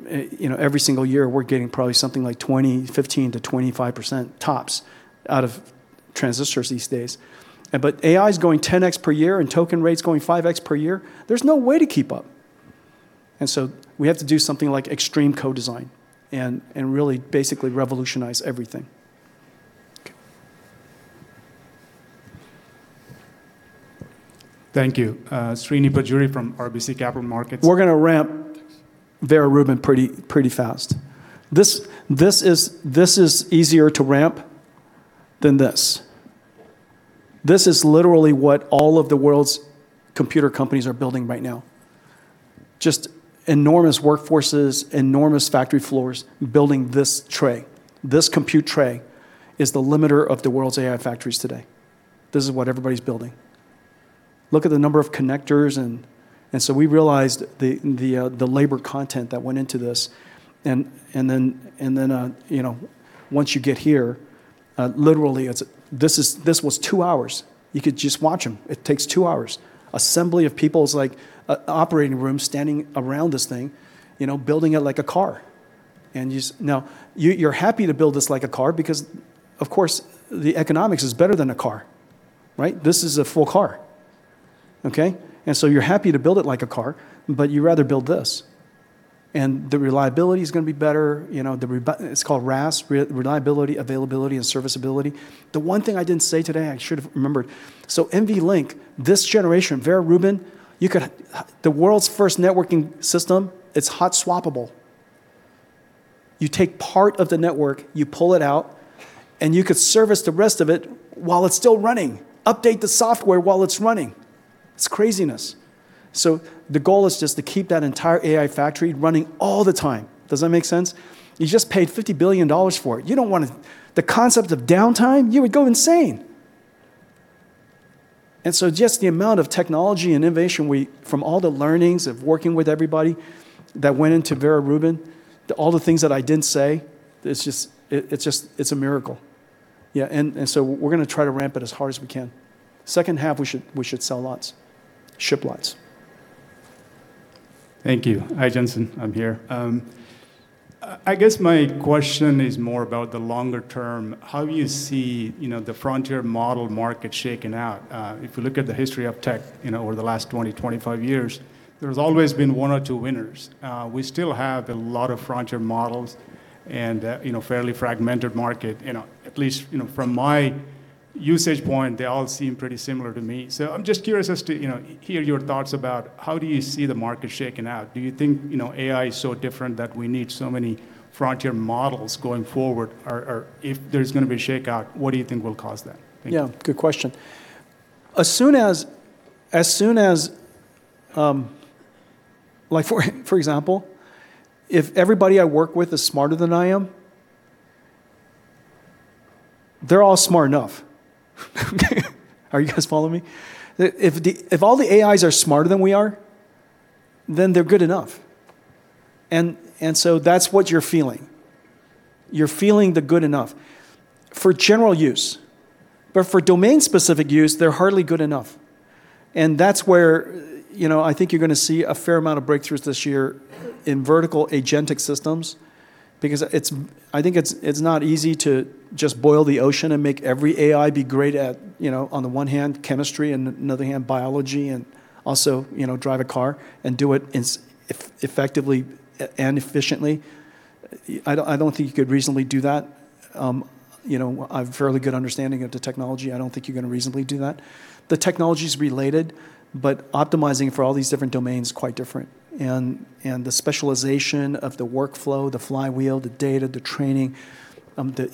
every single year we're getting probably something like 15%-25% tops out of transistors these days. But AI is going 10x per year and token rate is going 5x per year. There's no way to keep up. And so we have to do something like extreme co-design and really basically revolutionize everything. Thank you. Srini Pajjuri from RBC Capital Markets. We're going to ramp Vera Rubin pretty fast. This is easier to ramp than this. This is literally what all of the world's computer companies are building right now. Just enormous workforces, enormous factory floors building this tray. This compute tray is the limiter of the world's AI factories today. This is what everybody's building. Look at the number of connectors. And so we realized the labor content that went into this. And then once you get here, literally this was two hours. You could just watch them. It takes two hours. Assembly of people is like an operating room standing around this thing, building it like a car. Now, you're happy to build this like a car because, of course, the economics is better than a car. This is a full car. And so you're happy to build it like a car, but you'd rather build this. The reliability is going to be better. It's called RAS, reliability, availability, and serviceability. The one thing I didn't say today, I should have remembered. NVLink, this generation, Vera Rubin, the world's first networking system, it's hot swappable. You take part of the network, you pull it out, and you could service the rest of it while it's still running, update the software while it's running. It's craziness. The goal is just to keep that entire AI factory running all the time. Does that make sense? You just paid $50 billion for it. You don't want the concept of downtime, you would go insane. Just the amount of technology and innovation from all the learnings of working with everybody that went into Vera Rubin, all the things that I didn't say, it's a miracle. We're going to try to ramp it as hard as we can. Second half, we should sell lots, ship lots. Thank you. Hi, Jensen. I'm here. I guess my question is more about the longer term. How do you see the frontier model market shaken out? If we look at the history of tech over the last 20, 25 years, there's always been one or two winners. We still have a lot of frontier models and a fairly fragmented market. At least from my usage point, they all seem pretty similar to me. So I'm just curious as to hear your thoughts about how do you see the market shaken out? Do you think AI is so different that we need so many frontier models going forward? Or if there's going to be a shakeout, what do you think will cause that? Yeah, good question. As soon as for example, if everybody I work with is smarter than I am, they're all smart enough. Are you guys following me? If all the AIs are smarter than we are, then they're good enough, and so that's what you're feeling. You're feeling the good enough for general use, but for domain-specific use, they're hardly good enough, and that's where I think you're going to see a fair amount of breakthroughs this year in vertical agentic systems because I think it's not easy to just boil the ocean and make every AI be great on the one hand, chemistry, and on the other hand, biology, and also drive a car and do it effectively and efficiently. I don't think you could reasonably do that. I have a fairly good understanding of the technology. I don't think you're going to reasonably do that. The technology is related, but optimizing for all these different domains is quite different. And the specialization of the workflow, the flywheel, the data, the training,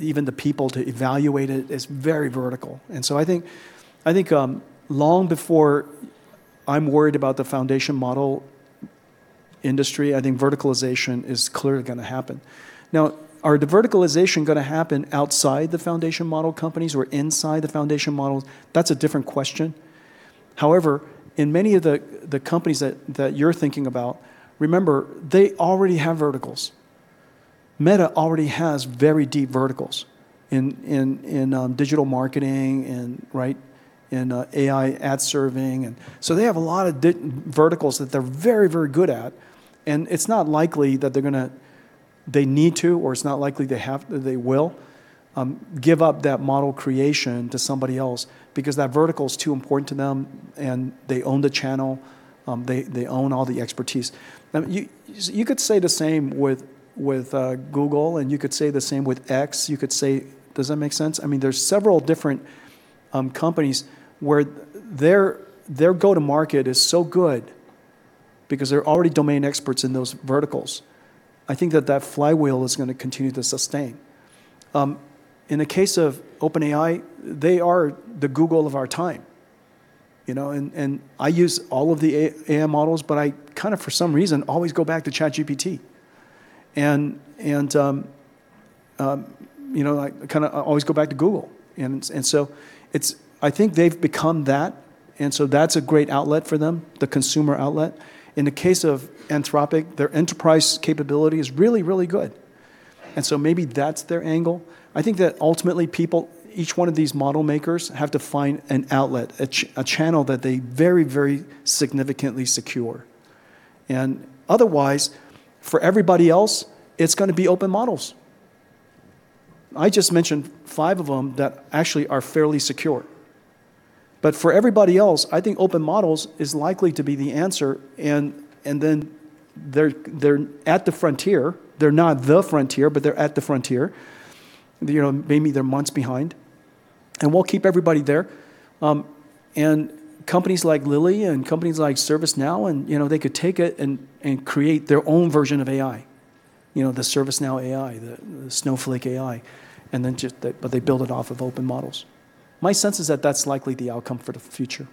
even the people to evaluate it is very vertical. And so I think long before I'm worried about the foundation model industry, I think verticalization is clearly going to happen. Now, are the verticalization going to happen outside the foundation model companies or inside the foundation models? That's a different question. However, in many of the companies that you're thinking about, remember, they already have verticals. Meta already has very deep verticals in digital marketing and AI ad serving. And so they have a lot of verticals that they're very, very good at. It's not likely that they're going to, they need to, or it's not likely they will give up that model creation to somebody else because that vertical is too important to them, and they own the channel. They own all the expertise. You could say the same with Google, and you could say the same with X. You could say, does that make sense? I mean, there's several different companies where their go-to-market is so good because they're already domain experts in those verticals. I think that that flywheel is going to continue to sustain. In the case of OpenAI, they are the Google of our time. I use all of the AI models, but I kind of, for some reason, always go back to ChatGPT. I kind of always go back to Google. So I think they've become that. And so that's a great outlet for them, the consumer outlet. In the case of Anthropic, their enterprise capability is really, really good. And so maybe that's their angle. I think that ultimately people, each one of these model makers, have to find an outlet, a channel that they very, very significantly secure. And otherwise, for everybody else, it's going to be open models. I just mentioned five of them that actually are fairly secure. But for everybody else, I think open models is likely to be the answer. And then they're at the frontier. They're not the frontier, but they're at the frontier. Maybe they're months behind. And we'll keep everybody there. And companies like Lilly and companies like ServiceNow, they could take it and create their own version of AI, the ServiceNow AI, the Snowflake AI. But they build it off of open models. My sense is that that's likely the outcome for the future.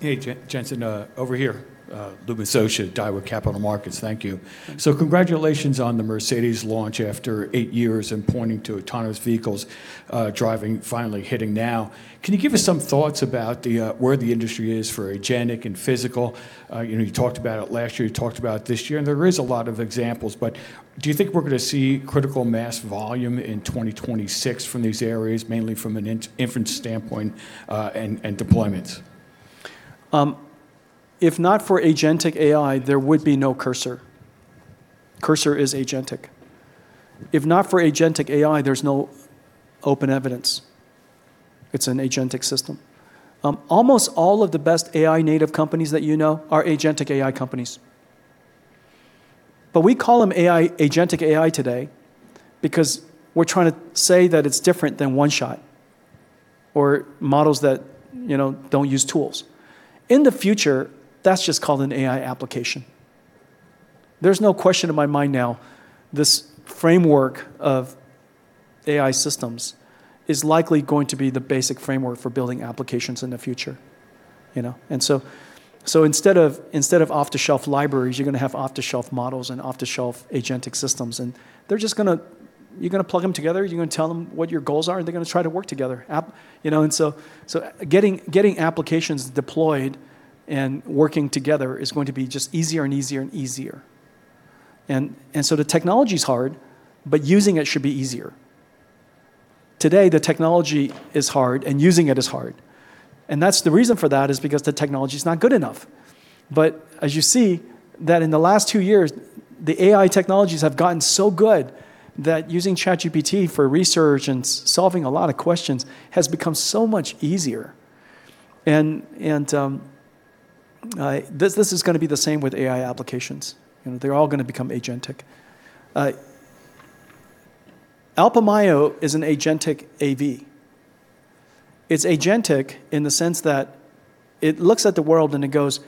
Hey, Jensen, over here, Louis Miscioscia, Daiwa Capital Markets. Thank you. So congratulations on the Mercedes launch after eight years and pointing to autonomous vehicles driving finally hitting now. Can you give us some thoughts about where the industry is for agentic and physical? You talked about it last year. You talked about it this year. And there is a lot of examples. But do you think we're going to see critical mass volume in 2026 from these areas, mainly from an inference standpoint and deployments? If not for agentic AI, there would be no Cursor. Cursor is agentic. If not for agentic AI, there's no OpenEvidence. It's an agentic system. Almost all of the best AI native companies that you know are agentic AI companies, but we call them agentic AI today because we're trying to say that it's different than one-shot or models that don't use tools. In the future, that's just called an AI application. There's no question in my mind now this framework of AI systems is likely going to be the basic framework for building applications in the future, so instead of off-the-shelf libraries, you're going to have off-the-shelf models and off-the-shelf agentic systems. You're going to plug them together. You're going to tell them what your goals are, and they're going to try to work together. Getting applications deployed and working together is going to be just easier and easier and easier. The technology is hard, but using it should be easier. Today, the technology is hard, and using it is hard. The reason for that is because the technology is not good enough. But as you see, that in the last two years, the AI technologies have gotten so good that using ChatGPT for research and solving a lot of questions has become so much easier. This is going to be the same with AI applications. They're all going to become agentic. Alpamayo is an agentic AV. It's agentic in the sense that it looks at the world and it goes,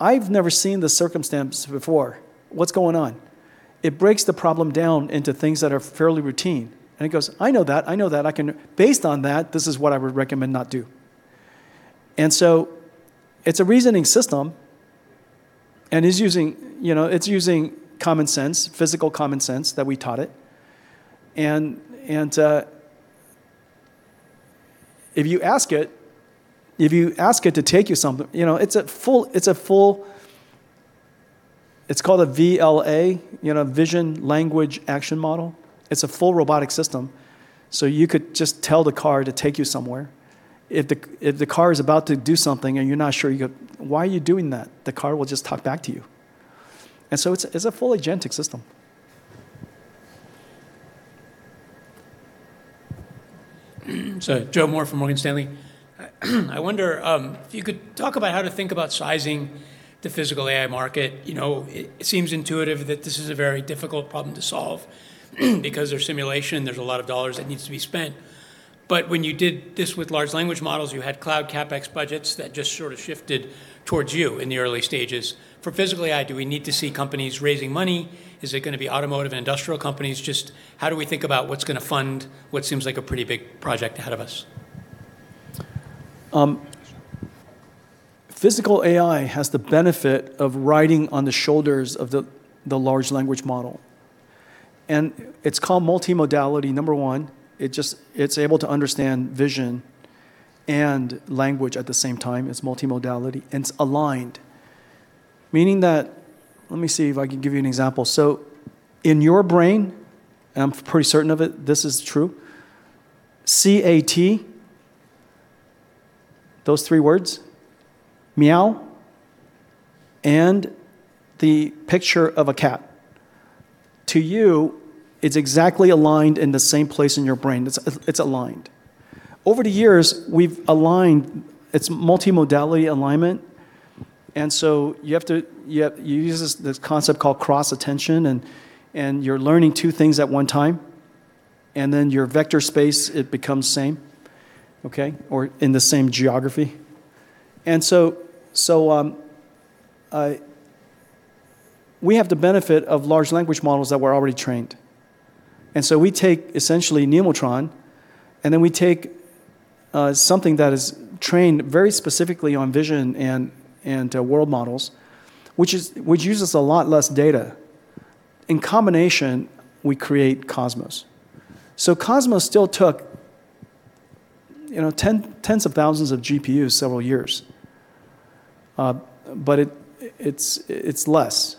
"I've never seen this circumstance before. What's going on?" It breaks the problem down into things that are fairly routine. It goes, "I know that. I know that. Based on that, this is what I would recommend not do." It's a reasoning system and it's using common sense, physical common sense that we taught it. If you ask it to take you somewhere, it's a full, it's called a VLA, Vision Language Action Model. It's a full robotic system. You could just tell the car to take you somewhere. If the car is about to do something and you're not sure, you go, "Why are you doing that?" The car will just talk back to you. It's a full agentic system. So, Joe Moore from Morgan Stanley. I wonder if you could talk about how to think about sizing the physical AI market. It seems intuitive that this is a very difficult problem to solve because there's simulation. There's a lot of dollars that needs to be spent. But when you did this with large language models, you had cloud CapEx budgets that just sort of shifted towards you in the early stages. For physical AI, do we need to see companies raising money? Is it going to be automotive and industrial companies? Just how do we think about what's going to fund what seems like a pretty big project ahead of us? Physical AI has the benefit of riding on the shoulders of the large language model. It's called multimodality, number one. It's able to understand vision and language at the same time. It's multimodality. It's aligned. Meaning that, let me see if I can give you an example. In your brain, and I'm pretty certain of it, this is true. C-A-T, those three words, meow, and the picture of a cat. To you, it's exactly aligned in the same place in your brain. It's aligned. Over the years, we've aligned. It's multimodality alignment. You use this concept called cross-attention, and you're learning two things at one time. Then your vector space becomes the same, or in the same geography. We have the benefit of large language models that were already trained. And so we take essentially Nemotron, and then we take something that is trained very specifically on vision and world models, which uses a lot less data. In combination, we create Cosmos. So Cosmos still took tens of thousands of GPUs several years, but it's less.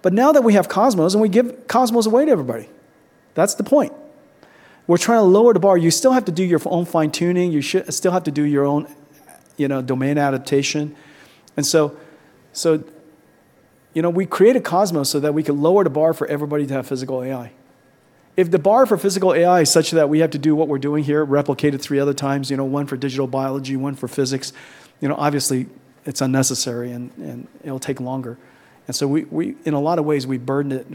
But now that we have Cosmos, and we give Cosmos away to everybody, that's the point. We're trying to lower the bar. You still have to do your own fine-tuning. You still have to do your own domain adaptation. And so we created Cosmos so that we could lower the bar for everybody to have physical AI. If the bar for physical AI is such that we have to do what we're doing here, replicate it three other times, one for digital biology, one for physics, obviously, it's unnecessary, and it'll take longer. In a lot of ways, we burden it,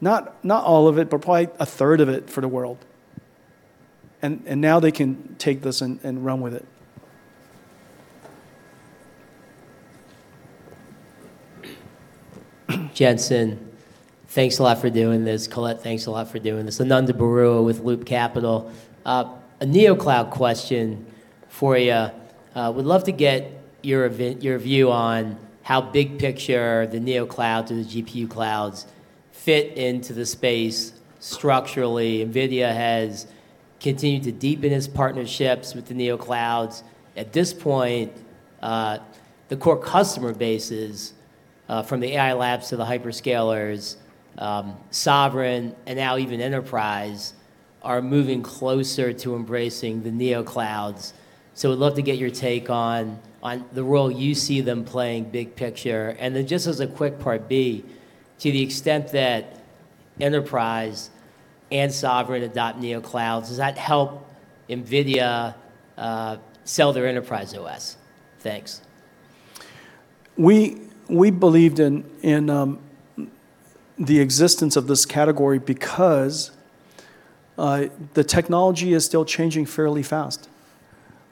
not all of it, but probably a third of it for the world. Now they can take this and run with it. Jensen, thanks a lot for doing this. Colette, thanks a lot for doing this. Ananda Baruah with Loop Capital. A neocloud question for you. Would love to get your view on how big picture the neoclouds or the GPU clouds fit into the space structurally. NVIDIA has continued to deepen its partnerships with the neoclouds. At this point, the core customer bases from the AI labs to the hyperscalers, sovereign, and now even enterprise are moving closer to embracing the neoclouds. So we'd love to get your take on the role you see them playing big picture. And then just as a quick Part B, to the extent that enterprise and sovereign adopt neoclouds, does that help NVIDIA sell their enterprise OS? Thanks. We believed in the existence of this category because the technology is still changing fairly fast.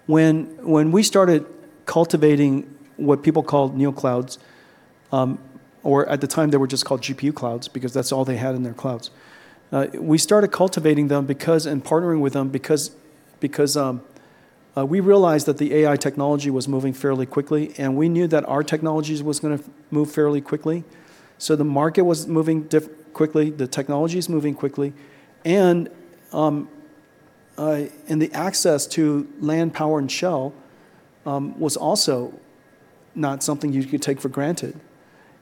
When we started cultivating what people called neoclouds, or at the time, they were just called GPU clouds because that's all they had in their clouds, we started cultivating them and partnering with them because we realized that the AI technology was moving fairly quickly, and we knew that our technology was going to move fairly quickly. So the market was moving quickly. The technology is moving quickly. And the access to land, power, and shell was also not something you could take for granted.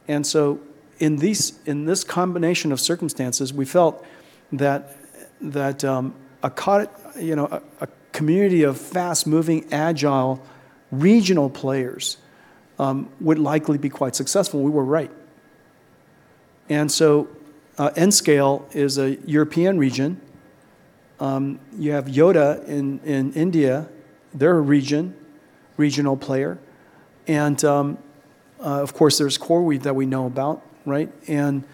And so in this combination of circumstances, we felt that a community of fast-moving, agile regional players would likely be quite successful. We were right. And so nScale is a European region. You have Yotta in India. They're a region, regional player. And of course, there's CoreWeave that we know about, and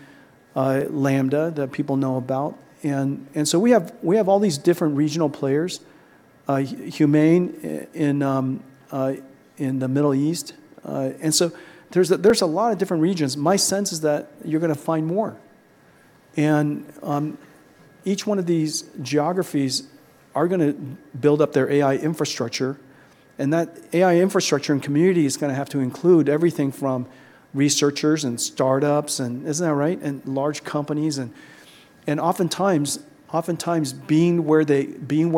Lambda that people know about. And so we have all these different regional players, G42 in the Middle East. And so there's a lot of different regions. My sense is that you're going to find more. And each one of these geographies are going to build up their AI infrastructure. And that AI infrastructure and community is going to have to include everything from researchers and startups, and isn't that right, and large companies. And oftentimes, being where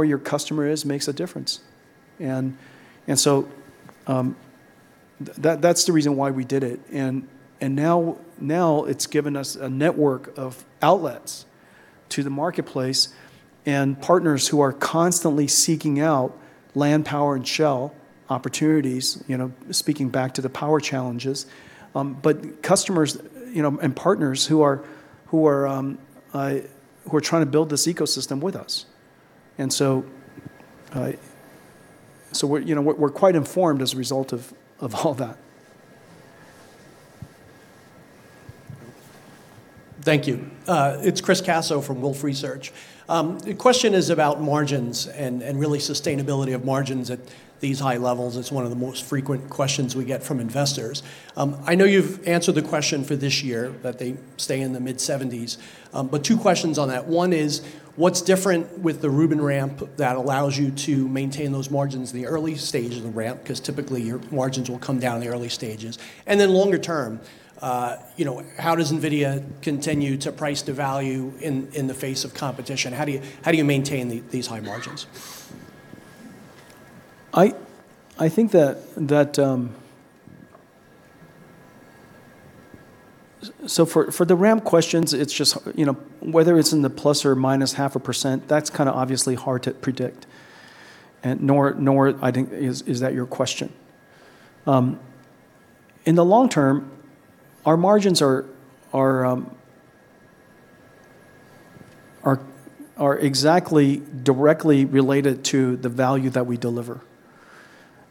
your customer is makes a difference. And so that's the reason why we did it. And now it's given us a network of outlets to the marketplace and partners who are constantly seeking out land, power, and shell opportunities, speaking back to the power challenges, but customers and partners who are trying to build this ecosystem with us. And so we're quite informed as a result of all that. Thank you. It's Chris Caso from Wolfe Research. The question is about margins and really sustainability of margins at these high levels. It's one of the most frequent questions we get from investors. I know you've answered the question for this year that they stay in the mid-70s%. But two questions on that. One is, what's different with the Rubin ramp that allows you to maintain those margins in the early stage of the ramp? Because typically, your margins will come down in the early stages. And then longer term, how does NVIDIA continue to price to value in the face of competition? How do you maintain these high margins? So, for the ramp questions, it's just whether it's in the plus or minus 0.5%, that's kind of obviously hard to predict, nor is that your question. In the long term, our margins are exactly directly related to the value that we deliver.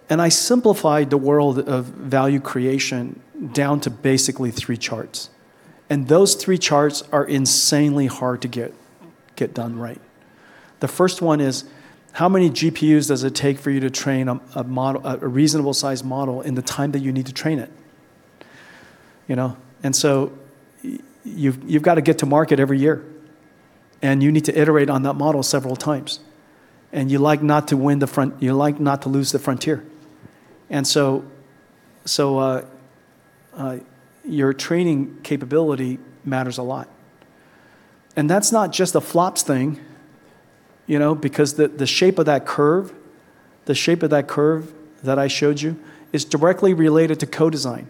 And I simplify the world of value creation down to basically three charts. And those three charts are insanely hard to get done right. The first one is, how many GPUs does it take for you to train a reasonable-sized model in the time that you need to train it? And so you've got to get to market every year. And you need to iterate on that model several times. And you like not to win the front. You like not to lose the frontier. And so your training capability matters a lot. And that's not just a flops thing because the shape of that curve, the shape of that curve that I showed you, is directly related to co-design.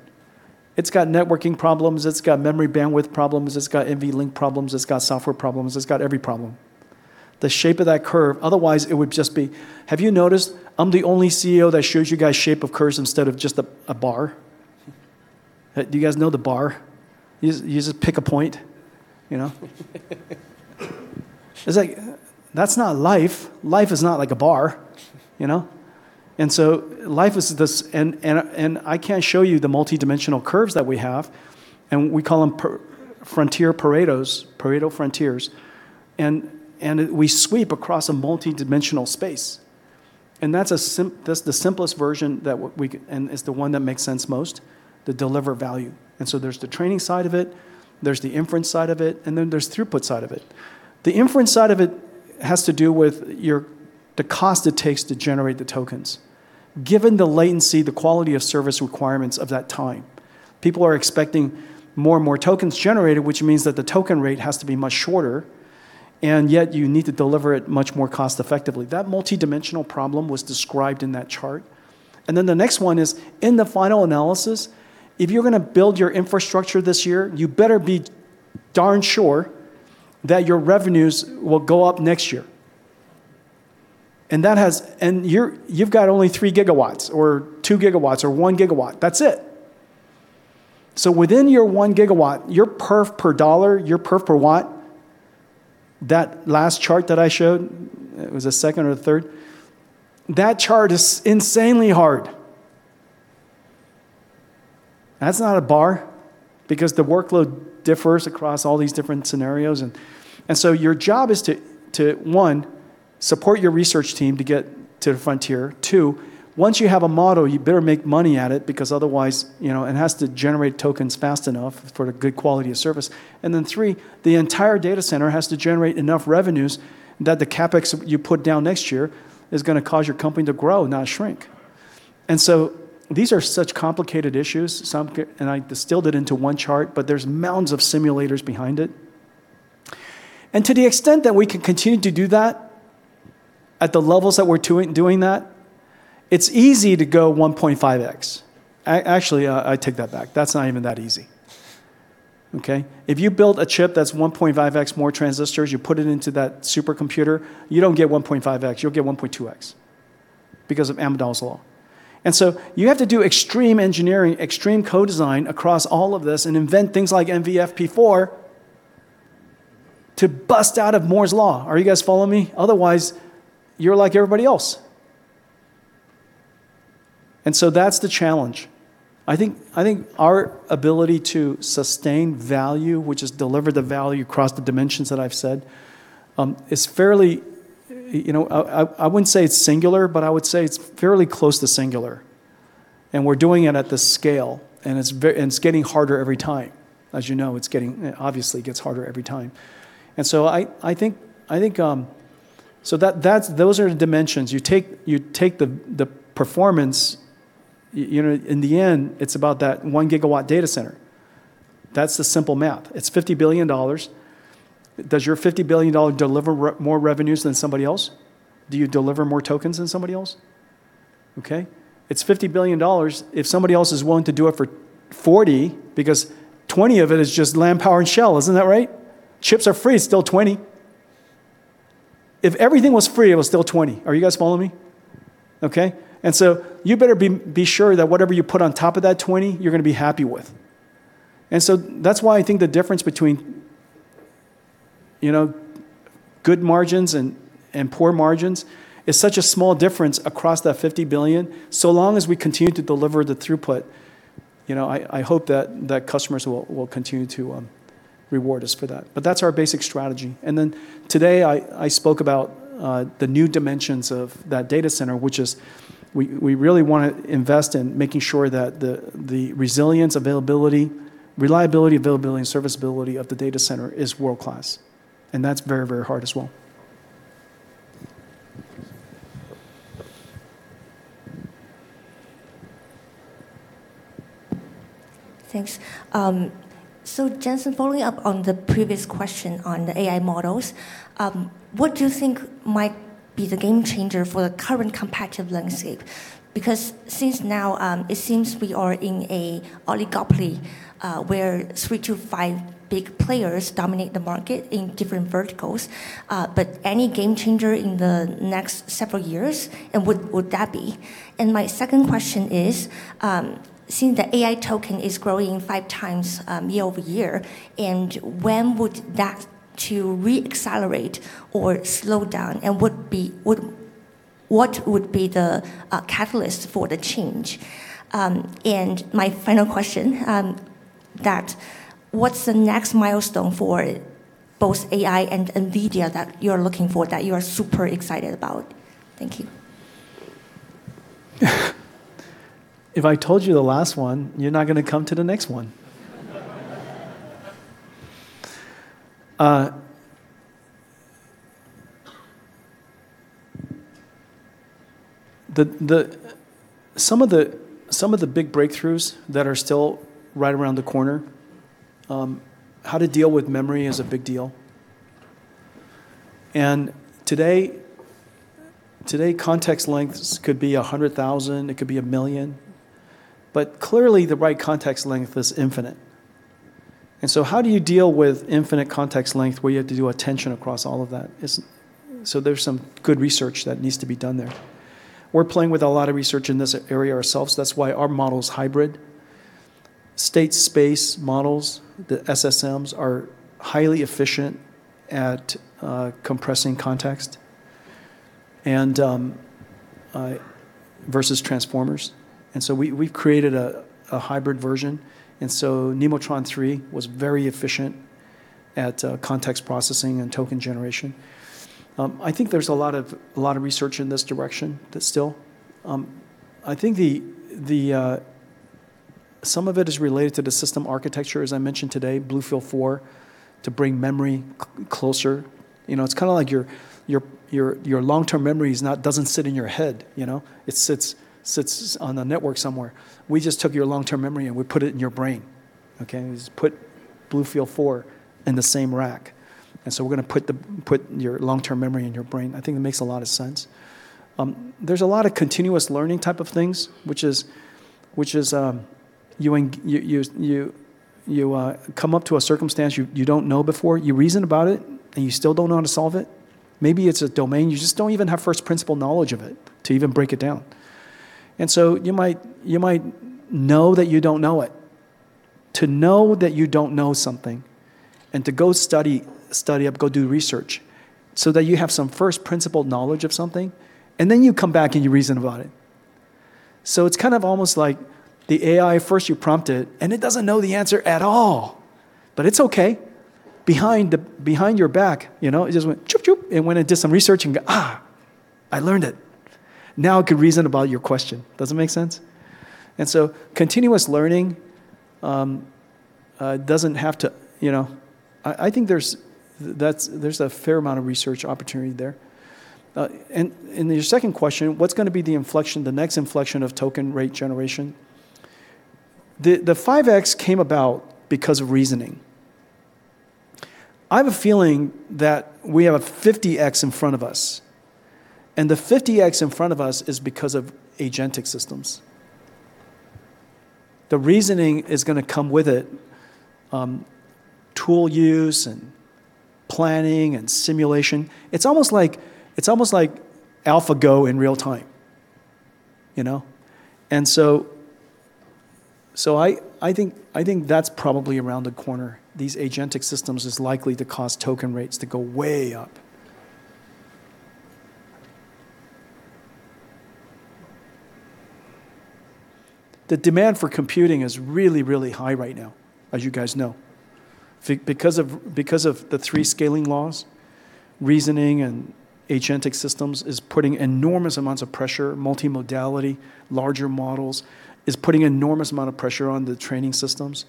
It's got networking problems. It's got memory bandwidth problems. It's got NVLink problems. It's got software problems. It's got every problem. The shape of that curve, otherwise, it would just be. Have you noticed I'm the only CEO that shows you guys' shape of curves instead of just a bar? Do you guys know the bar? You just pick a point. It's like, that's not life. Life is not like a bar. And so life is this. And I can't show you the multidimensional curves that we have. And we call them frontier Paretos, Pareto frontiers. And we sweep across a multidimensional space. And that's the simplest version that we and it's the one that makes sense most to deliver value. And so there's the training side of it. There's the inference side of it. And then there's the throughput side of it. The inference side of it has to do with the cost it takes to generate the tokens. Given the latency, the quality of service requirements of that time, people are expecting more and more tokens generated, which means that the token rate has to be much shorter. And yet, you need to deliver it much more cost-effectively. That multidimensional problem was described in that chart. And then the next one is, in the final analysis, if you're going to build your infrastructure this year, you better be darn sure that your revenues will go up next year. And you've got only 3 GW or 2 GW or 1 GW. That's it. So, within your 1 GW, your perf per dollar, your perf per watt, that last chart that I showed, it was a second or a third. That chart is insanely hard. That's not a bar because the workload differs across all these different scenarios. And so your job is to, one, support your research team to get to the frontier. Two, once you have a model, you better make money at it because otherwise, it has to generate tokens fast enough for a good quality of service. And then three, the entire data center has to generate enough revenues that the CapEx you put down next year is going to cause your company to grow, not shrink. And so these are such complicated issues. And I distilled it into one chart, but there's mounds of simulators behind it. To the extent that we can continue to do that at the levels that we're doing that, it's easy to go 1.5x. Actually, I take that back. That's not even that easy. If you build a chip that's 1.5x more transistors, you put it into that supercomputer, you don't get 1.5x. You'll get 1.2x because of Amdahl's Law. So you have to do extreme engineering, extreme co-design across all of this and invent things like NVFP4 to bust out of Moore's Law. Are you guys following me? Otherwise, you're like everybody else. So that's the challenge. I think our ability to sustain value, which is deliver the value across the dimensions that I've said, is fairly. I wouldn't say it's singular, but I would say it's fairly close to singular. We're doing it at this scale. It's getting harder every time. As you know, it obviously gets harder every time. And so I think so those are the dimensions. You take the performance. In the end, it's about that 1 GW data center. That's the simple math. It's $50 billion. Does your $50 billion deliver more revenues than somebody else? Do you deliver more tokens than somebody else? It's $50 billion if somebody else is willing to do it for $40 billion because $20 billion of it is just land, power, and shell. Isn't that right? Chips are free. It's still $20 billion. If everything was free, it was still $20 billion. Are you guys following me? And so you better be sure that whatever you put on top of that $20 billion, you're going to be happy with. And so that's why I think the difference between good margins and poor margins is such a small difference across that $50 billion. So long as we continue to deliver the throughput, I hope that customers will continue to reward us for that. But that's our basic strategy, and then today, I spoke about the new dimensions of that data center, which is we really want to invest in making sure that the resilience, reliability, availability, and serviceability of the data center is world-class, and that's very, very hard as well. Thanks. So Jensen, following up on the previous question on the AI models, what do you think might be the game changer for the current competitive landscape? Because since now, it seems we are in an oligopoly where three to five big players dominate the market in different verticals. But any game changer in the next several years, and would that be? And my second question is, seeing the AI token is growing five times year over year, and when would that re-accelerate or slow down? And what would be the catalyst for the change? And my final question, what's the next milestone for both AI and NVIDIA that you're looking for that you are super excited about? Thank you. If I told you the last one, you're not going to come to the next one. Some of the big breakthroughs that are still right around the corner, how to deal with memory is a big deal, and today, context lengths could be 100,000. It could be a million, but clearly, the right context length is infinite, and so how do you deal with infinite context length where you have to do attention across all of that? So there's some good research that needs to be done there. We're playing with a lot of research in this area ourselves. That's why our model is hybrid. State space models, the SSMs, are highly efficient at compressing context versus transformers, and so we've created a hybrid version, and so Nemotron 3 was very efficient at context processing and token generation. I think there's a lot of research in this direction still. I think some of it is related to the system architecture, as I mentioned today, BlueField-4, to bring memory closer. It's kind of like your long-term memory doesn't sit in your head. It sits on the network somewhere. We just took your long-term memory and we put it in your brain. We just put BlueField-4 in the same rack. And so we're going to put your long-term memory in your brain. I think it makes a lot of sense. There's a lot of continuous learning type of things, which is you come up to a circumstance you don't know before. You reason about it, and you still don't know how to solve it. Maybe it's a domain. You just don't even have first principle knowledge of it to even break it down. And so you might know that you don't know it. To know that you don't know something and to go study up, go do research so that you have some first principle knowledge of something, and then you come back and you reason about it. So it's kind of almost like the AI, first you prompt it, and it doesn't know the answer at all. But it's okay. Behind your back, it just went choop, choop. It went and did some research and go, I learned it. Now it could reason about your question. Does it make sense? And so continuous learning doesn't have to. I think there's a fair amount of research opportunity there. And your second question, what's going to be the next inflection of token rate generation? The 5x came about because of reasoning. I have a feeling that we have a 50x in front of us. The 50x in front of us is because of agentic systems. The reasoning is going to come with it, tool use and planning and simulation. It's almost like AlphaGo in real time. So I think that's probably around the corner. These agentic systems are likely to cause token rates to go way up. The demand for computing is really, really high right now, as you guys know. Because of the three scaling laws, reasoning and agentic systems are putting enormous amounts of pressure. Multimodality, larger models are putting an enormous amount of pressure on the training systems.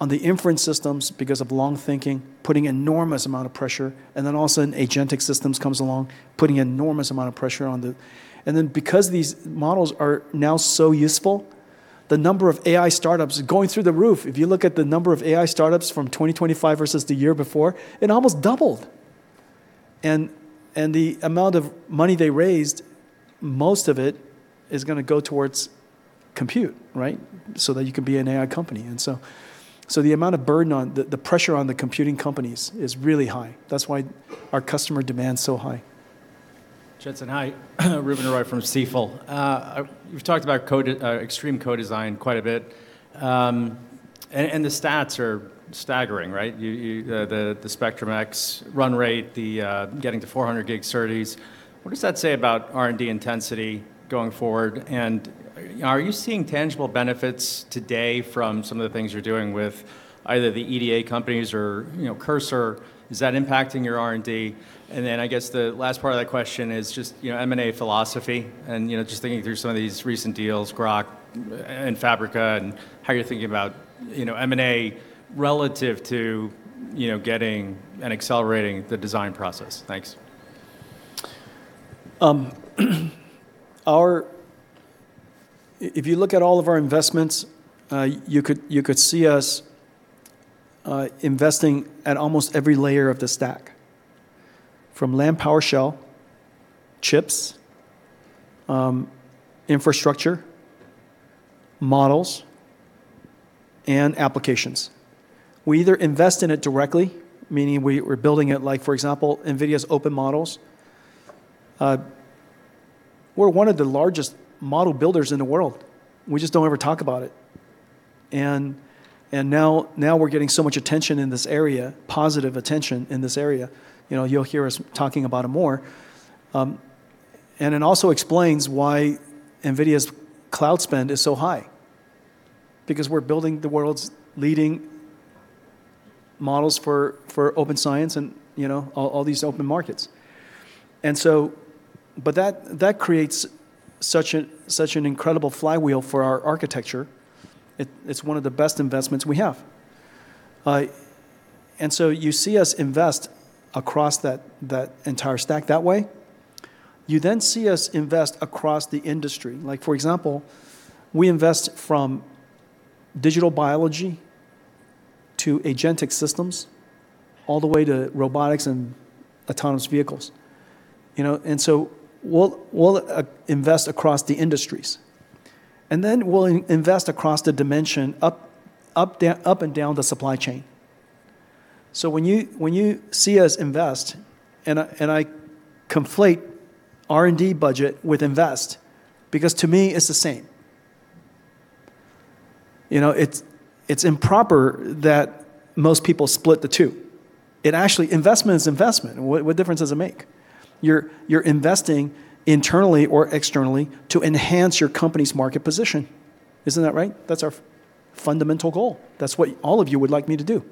On the inference systems, because of long thinking, putting an enormous amount of pressure. Then all of a sudden, agentic systems come along, putting an enormous amount of pressure on the. Then because these models are now so useful, the number of AI startups is going through the roof. If you look at the number of AI startups from 2025 versus the year before, it almost doubled, and the amount of money they raised, most of it is going to go towards compute so that you can be an AI company, and so the amount of burden, the pressure on the computing companies is really high. That's why our customer demand is so high. Jensen, hi. Ruben Roy from Stifel. You've talked about extreme co-design quite a bit. And the stats are staggering, right? The Spectrum-X run rate, getting to 400 gig SerDes. What does that say about R&D intensity going forward? And are you seeing tangible benefits today from some of the things you're doing with either the EDA companies or Cursor? Is that impacting your R&D? And then I guess the last part of that question is just M&A philosophy. And just thinking through some of these recent deals, Groq and Fabrica, and how you're thinking about M&A relative to getting and accelerating the design process. Thanks. If you look at all of our investments, you could see us investing at almost every layer of the stack, from land, power, shell, chips, infrastructure, models, and applications. We either invest in it directly, meaning we're building it like, for example, NVIDIA's Open Models. We're one of the largest model builders in the world. We just don't ever talk about it. And now we're getting so much attention in this area, positive attention in this area. You'll hear us talking about it more. And it also explains why NVIDIA's cloud spend is so high. Because we're building the world's leading models for open science and all these open markets. But that creates such an incredible flywheel for our architecture. It's one of the best investments we have. And so you see us invest across that entire stack that way. You then see us invest across the industry. For example, we invest from digital biology to agentic systems all the way to robotics and autonomous vehicles. And so we'll invest across the industries. And then we'll invest across the dimension up and down the supply chain. So when you see us invest, and I conflate R&D budget with invest, because to me, it's the same. It's improper that most people split the two. Investment is investment. What difference does it make? You're investing internally or externally to enhance your company's market position. Isn't that right? That's our fundamental goal. That's what all of you would like me to do.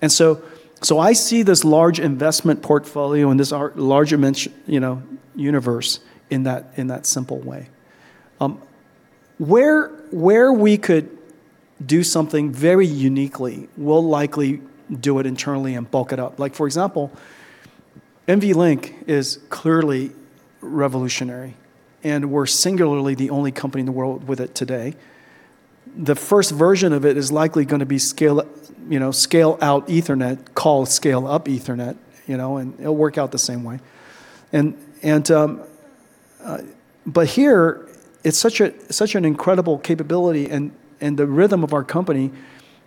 And so I see this large investment portfolio in this larger universe in that simple way. Where we could do something very uniquely, we'll likely do it internally and bulk it up. For example, NVLink is clearly revolutionary. And we're singularly the only company in the world with it today. The first version of it is likely going to be scale-out Ethernet, called scale-up Ethernet. And it'll work out the same way. But here, it's such an incredible capability. And the rhythm of our company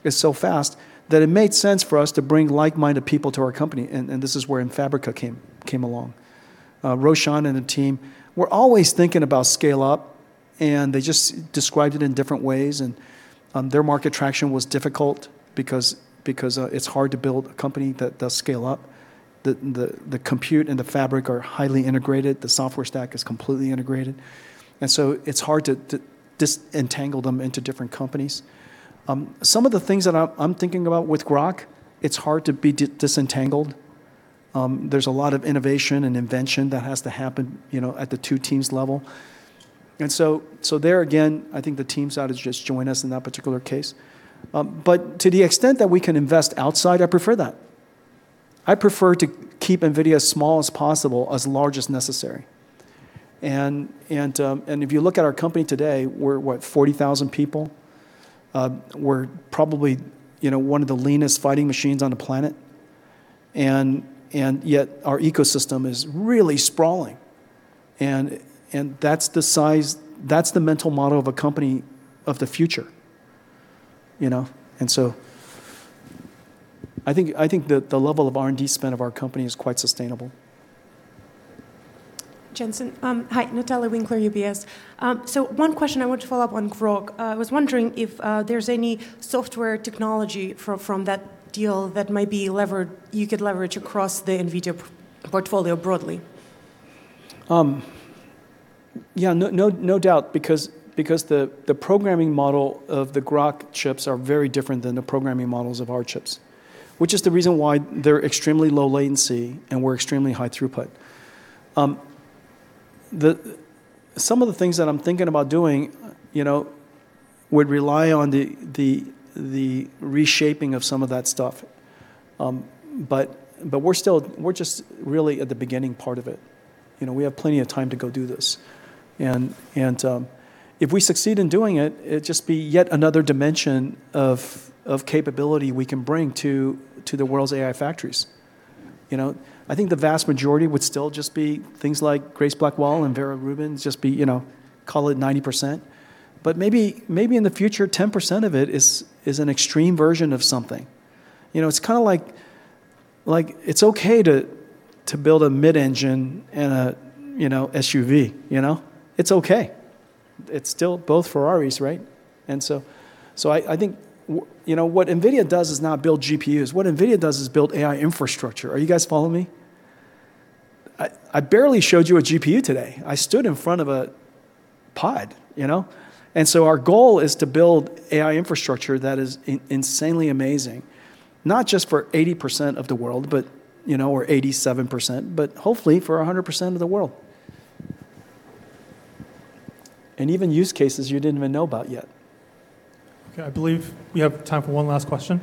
is so fast that it made sense for us to bring like-minded people to our company. And this is where Fabrica came along. Roshan and the team were always thinking about scale-up. And they just described it in different ways. And their market traction was difficult because it's hard to build a company that does scale-up. The compute and the fabric are highly integrated. The software stack is completely integrated. And so it's hard to disentangle them into different companies. Some of the things that I'm thinking about with Groq, it's hard to be disentangled. There's a lot of innovation and invention that has to happen at the two teams level. And so there, again, I think the teams ought to just join us in that particular case. But to the extent that we can invest outside, I prefer that. I prefer to keep NVIDIA as small as possible, as large as necessary. And if you look at our company today, we're what, 40,000 people? We're probably one of the leanest fighting machines on the planet. And yet our ecosystem is really sprawling. And that's the mental model of a company of the future. And so I think the level of R&D spend of our company is quite sustainable. Jensen, hi. Natalia Winkler, UBS. One question I want to follow up on Groq. I was wondering if there's any software technology from that deal that you could leverage across the NVIDIA portfolio broadly. Yeah, no doubt. Because the programming model of the Groq chips is very different than the programming models of our chips, which is the reason why they're extremely low latency and we're extremely high throughput. Some of the things that I'm thinking about doing would rely on the reshaping of some of that stuff. But we're just really at the beginning part of it. We have plenty of time to go do this. And if we succeed in doing it, it'd just be yet another dimension of capability we can bring to the world's AI factories. I think the vast majority would still just be things like Grace Blackwell and Vera Rubin, just call it 90%. But maybe in the future, 10% of it is an extreme version of something. It's kind of like it's okay to build a mid-engine and a SUV. It's okay. It's still both Ferraris, right? And so I think what NVIDIA does is not build GPUs. What NVIDIA does is build AI infrastructure. Are you guys following me? I barely showed you a GPU today. I stood in front of a pod. And so our goal is to build AI infrastructure that is insanely amazing, not just for 80% of the world, or 87%, but hopefully for 100% of the world. And even use cases you didn't even know about yet. Okay. I believe we have time for one last question.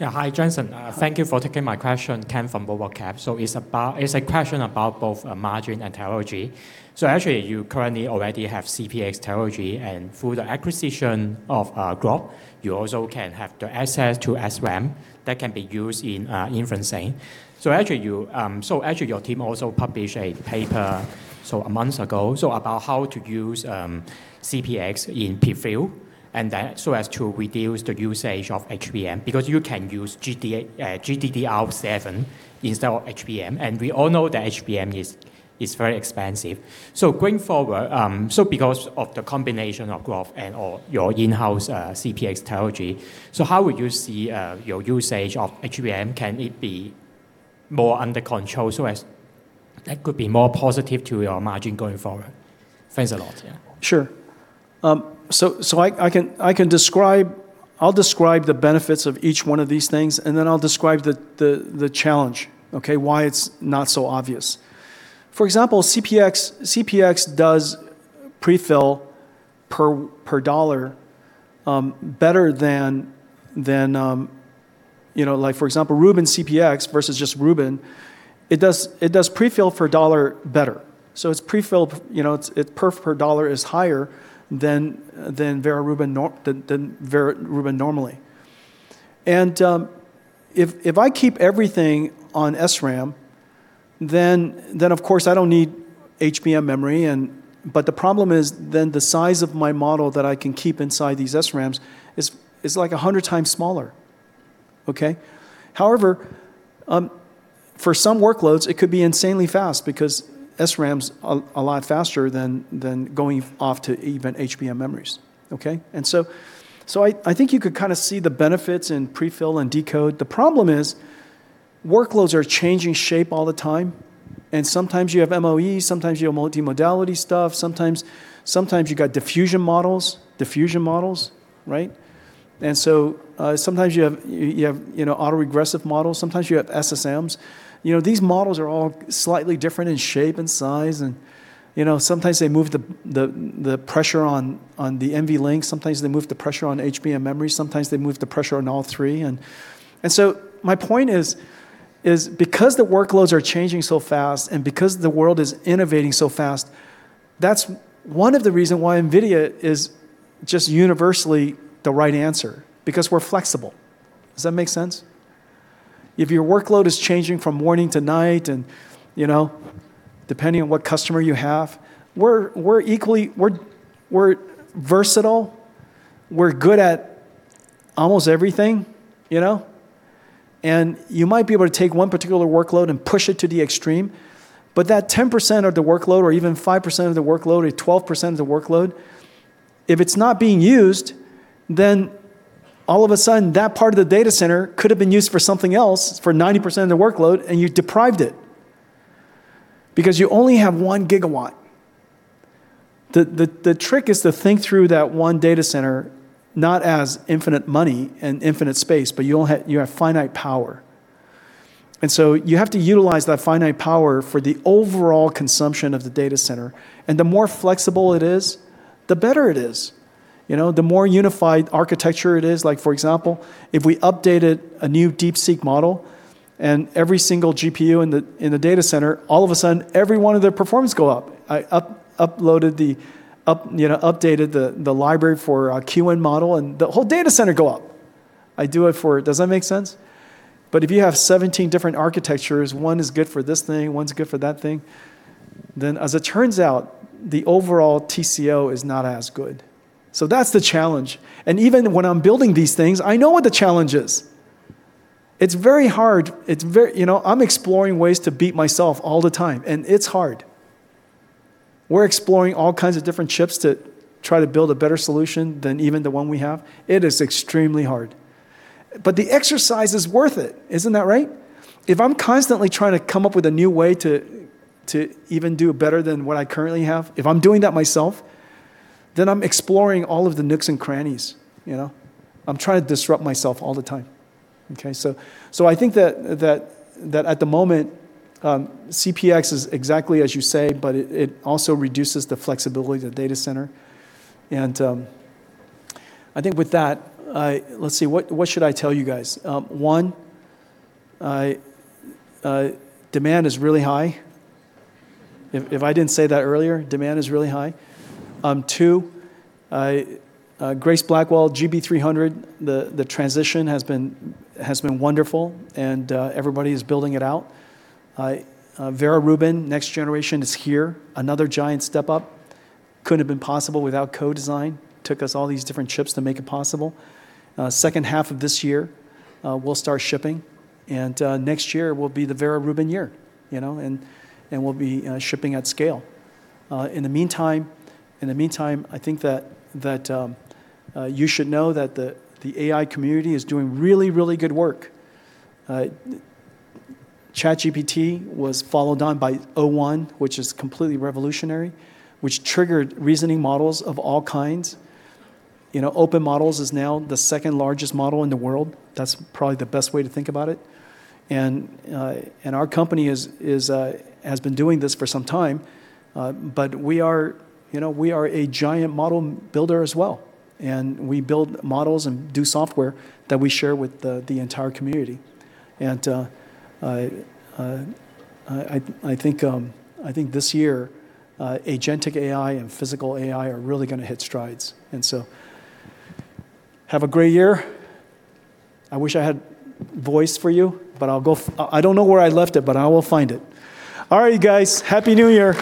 Yeah, hi, Jensen. Thank you for taking my question, Ken, from BMO Capital Markets. So it's a question about both margin and technology. So actually, you currently already have CPX technology and through the acquisition of Groq, you also can have the access to SRAM that can be used in inferencing. So actually, your team also published a paper a month ago about how to use CPX in prefill so as to reduce the usage of HBM because you can use GDDR7 instead of HBM. And we all know that HBM is very expensive. So going forward, because of the combination of Groq and your in-house CPX technology, how would you see your usage of HBM? Can it be more under control so that could be more positive to your margin going forward? Thanks a lot. Sure, so I can describe the benefits of each one of these things, and then I'll describe the challenge, why it's not so obvious. For example, CPX does prefill per dollar better than for example, Rubin CPX versus just Rubin. It does prefill for a dollar better, so it's prefill per dollar is higher than Vera Rubin normally, and if I keep everything on SRAM, then of course, I don't need HBM memory. But the problem is then the size of my model that I can keep inside these SRAMs is like 100 times smaller. However, for some workloads, it could be insanely fast because SRAM's a lot faster than going off to even HBM memories, and so I think you could kind of see the benefits in prefill and decode. The problem is workloads are changing shape all the time, and sometimes you have MOEs. Sometimes you have multimodality stuff. Sometimes you got diffusion models, and so sometimes you have autoregressive models. Sometimes you have SSMs. These models are all slightly different in shape and size, and sometimes they move the pressure on the NVLink. Sometimes they move the pressure on HBM memory. Sometimes they move the pressure on all three. And so my point is because the workloads are changing so fast and because the world is innovating so fast, that's one of the reasons why NVIDIA is just universally the right answer, because we're flexible. Does that make sense? If your workload is changing from morning to night and depending on what customer you have, we're versatile. We're good at almost everything, and you might be able to take one particular workload and push it to the extreme. But that 10% of the workload or even 5% of the workload or 12% of the workload, if it's not being used, then all of a sudden, that part of the data center could have been used for something else for 90% of the workload, and you deprived it because you only have 1 GW. The trick is to think through that one data center, not as infinite money and infinite space, but you have finite power. And so you have to utilize that finite power for the overall consumption of the data center. And the more flexible it is, the better it is. The more unified architecture it is. For example, if we updated a new DeepSeek model and every single GPU in the data center, all of a sudden, every one of their performance go up. Uploaded, updated the library for a Kimi, Qwen model, and the whole data center goes up. I do it. Does that make sense? But if you have 17 different architectures, one is good for this thing, one's good for that thing, then as it turns out, the overall TCO is not as good. So that's the challenge. And even when I'm building these things, I know what the challenge is. It's very hard. I'm exploring ways to beat myself all the time. And it's hard. We're exploring all kinds of different chips to try to build a better solution than even the one we have. It is extremely hard. But the exercise is worth it. Isn't that right? If I'm constantly trying to come up with a new way to even do better than what I currently have, if I'm doing that myself, then I'm exploring all of the nooks and crannies. I'm trying to disrupt myself all the time. So I think that at the moment, CPX is exactly as you say, but it also reduces the flexibility of the data center. And I think with that, let's see. What should I tell you guys? One, demand is really high. If I didn't say that earlier, demand is really high. Two, Grace Blackwell, GB300, the transition has been wonderful. And everybody is building it out. Vera Rubin, next generation, is here. Another giant step up. Couldn't have been possible without co-design. Took us all these different chips to make it possible. Second half of this year, we'll start shipping. And next year, it will be the Vera Rubin year. And we'll be shipping at scale. In the meantime, I think that you should know that the AI community is doing really, really good work. ChatGPT was followed on by o1, which is completely revolutionary, which triggered reasoning models of all kinds. Open models is now the second largest model in the world. That's probably the best way to think about it. And our company has been doing this for some time. But we are a giant model builder as well. And we build models and do software that we share with the entire community. And I think this year, agentic AI and physical AI are really going to hit strides. And so have a great year. I wish I had voice for you, but I don't know where I left it, but I will find it. All right, you guys. Happy New Year.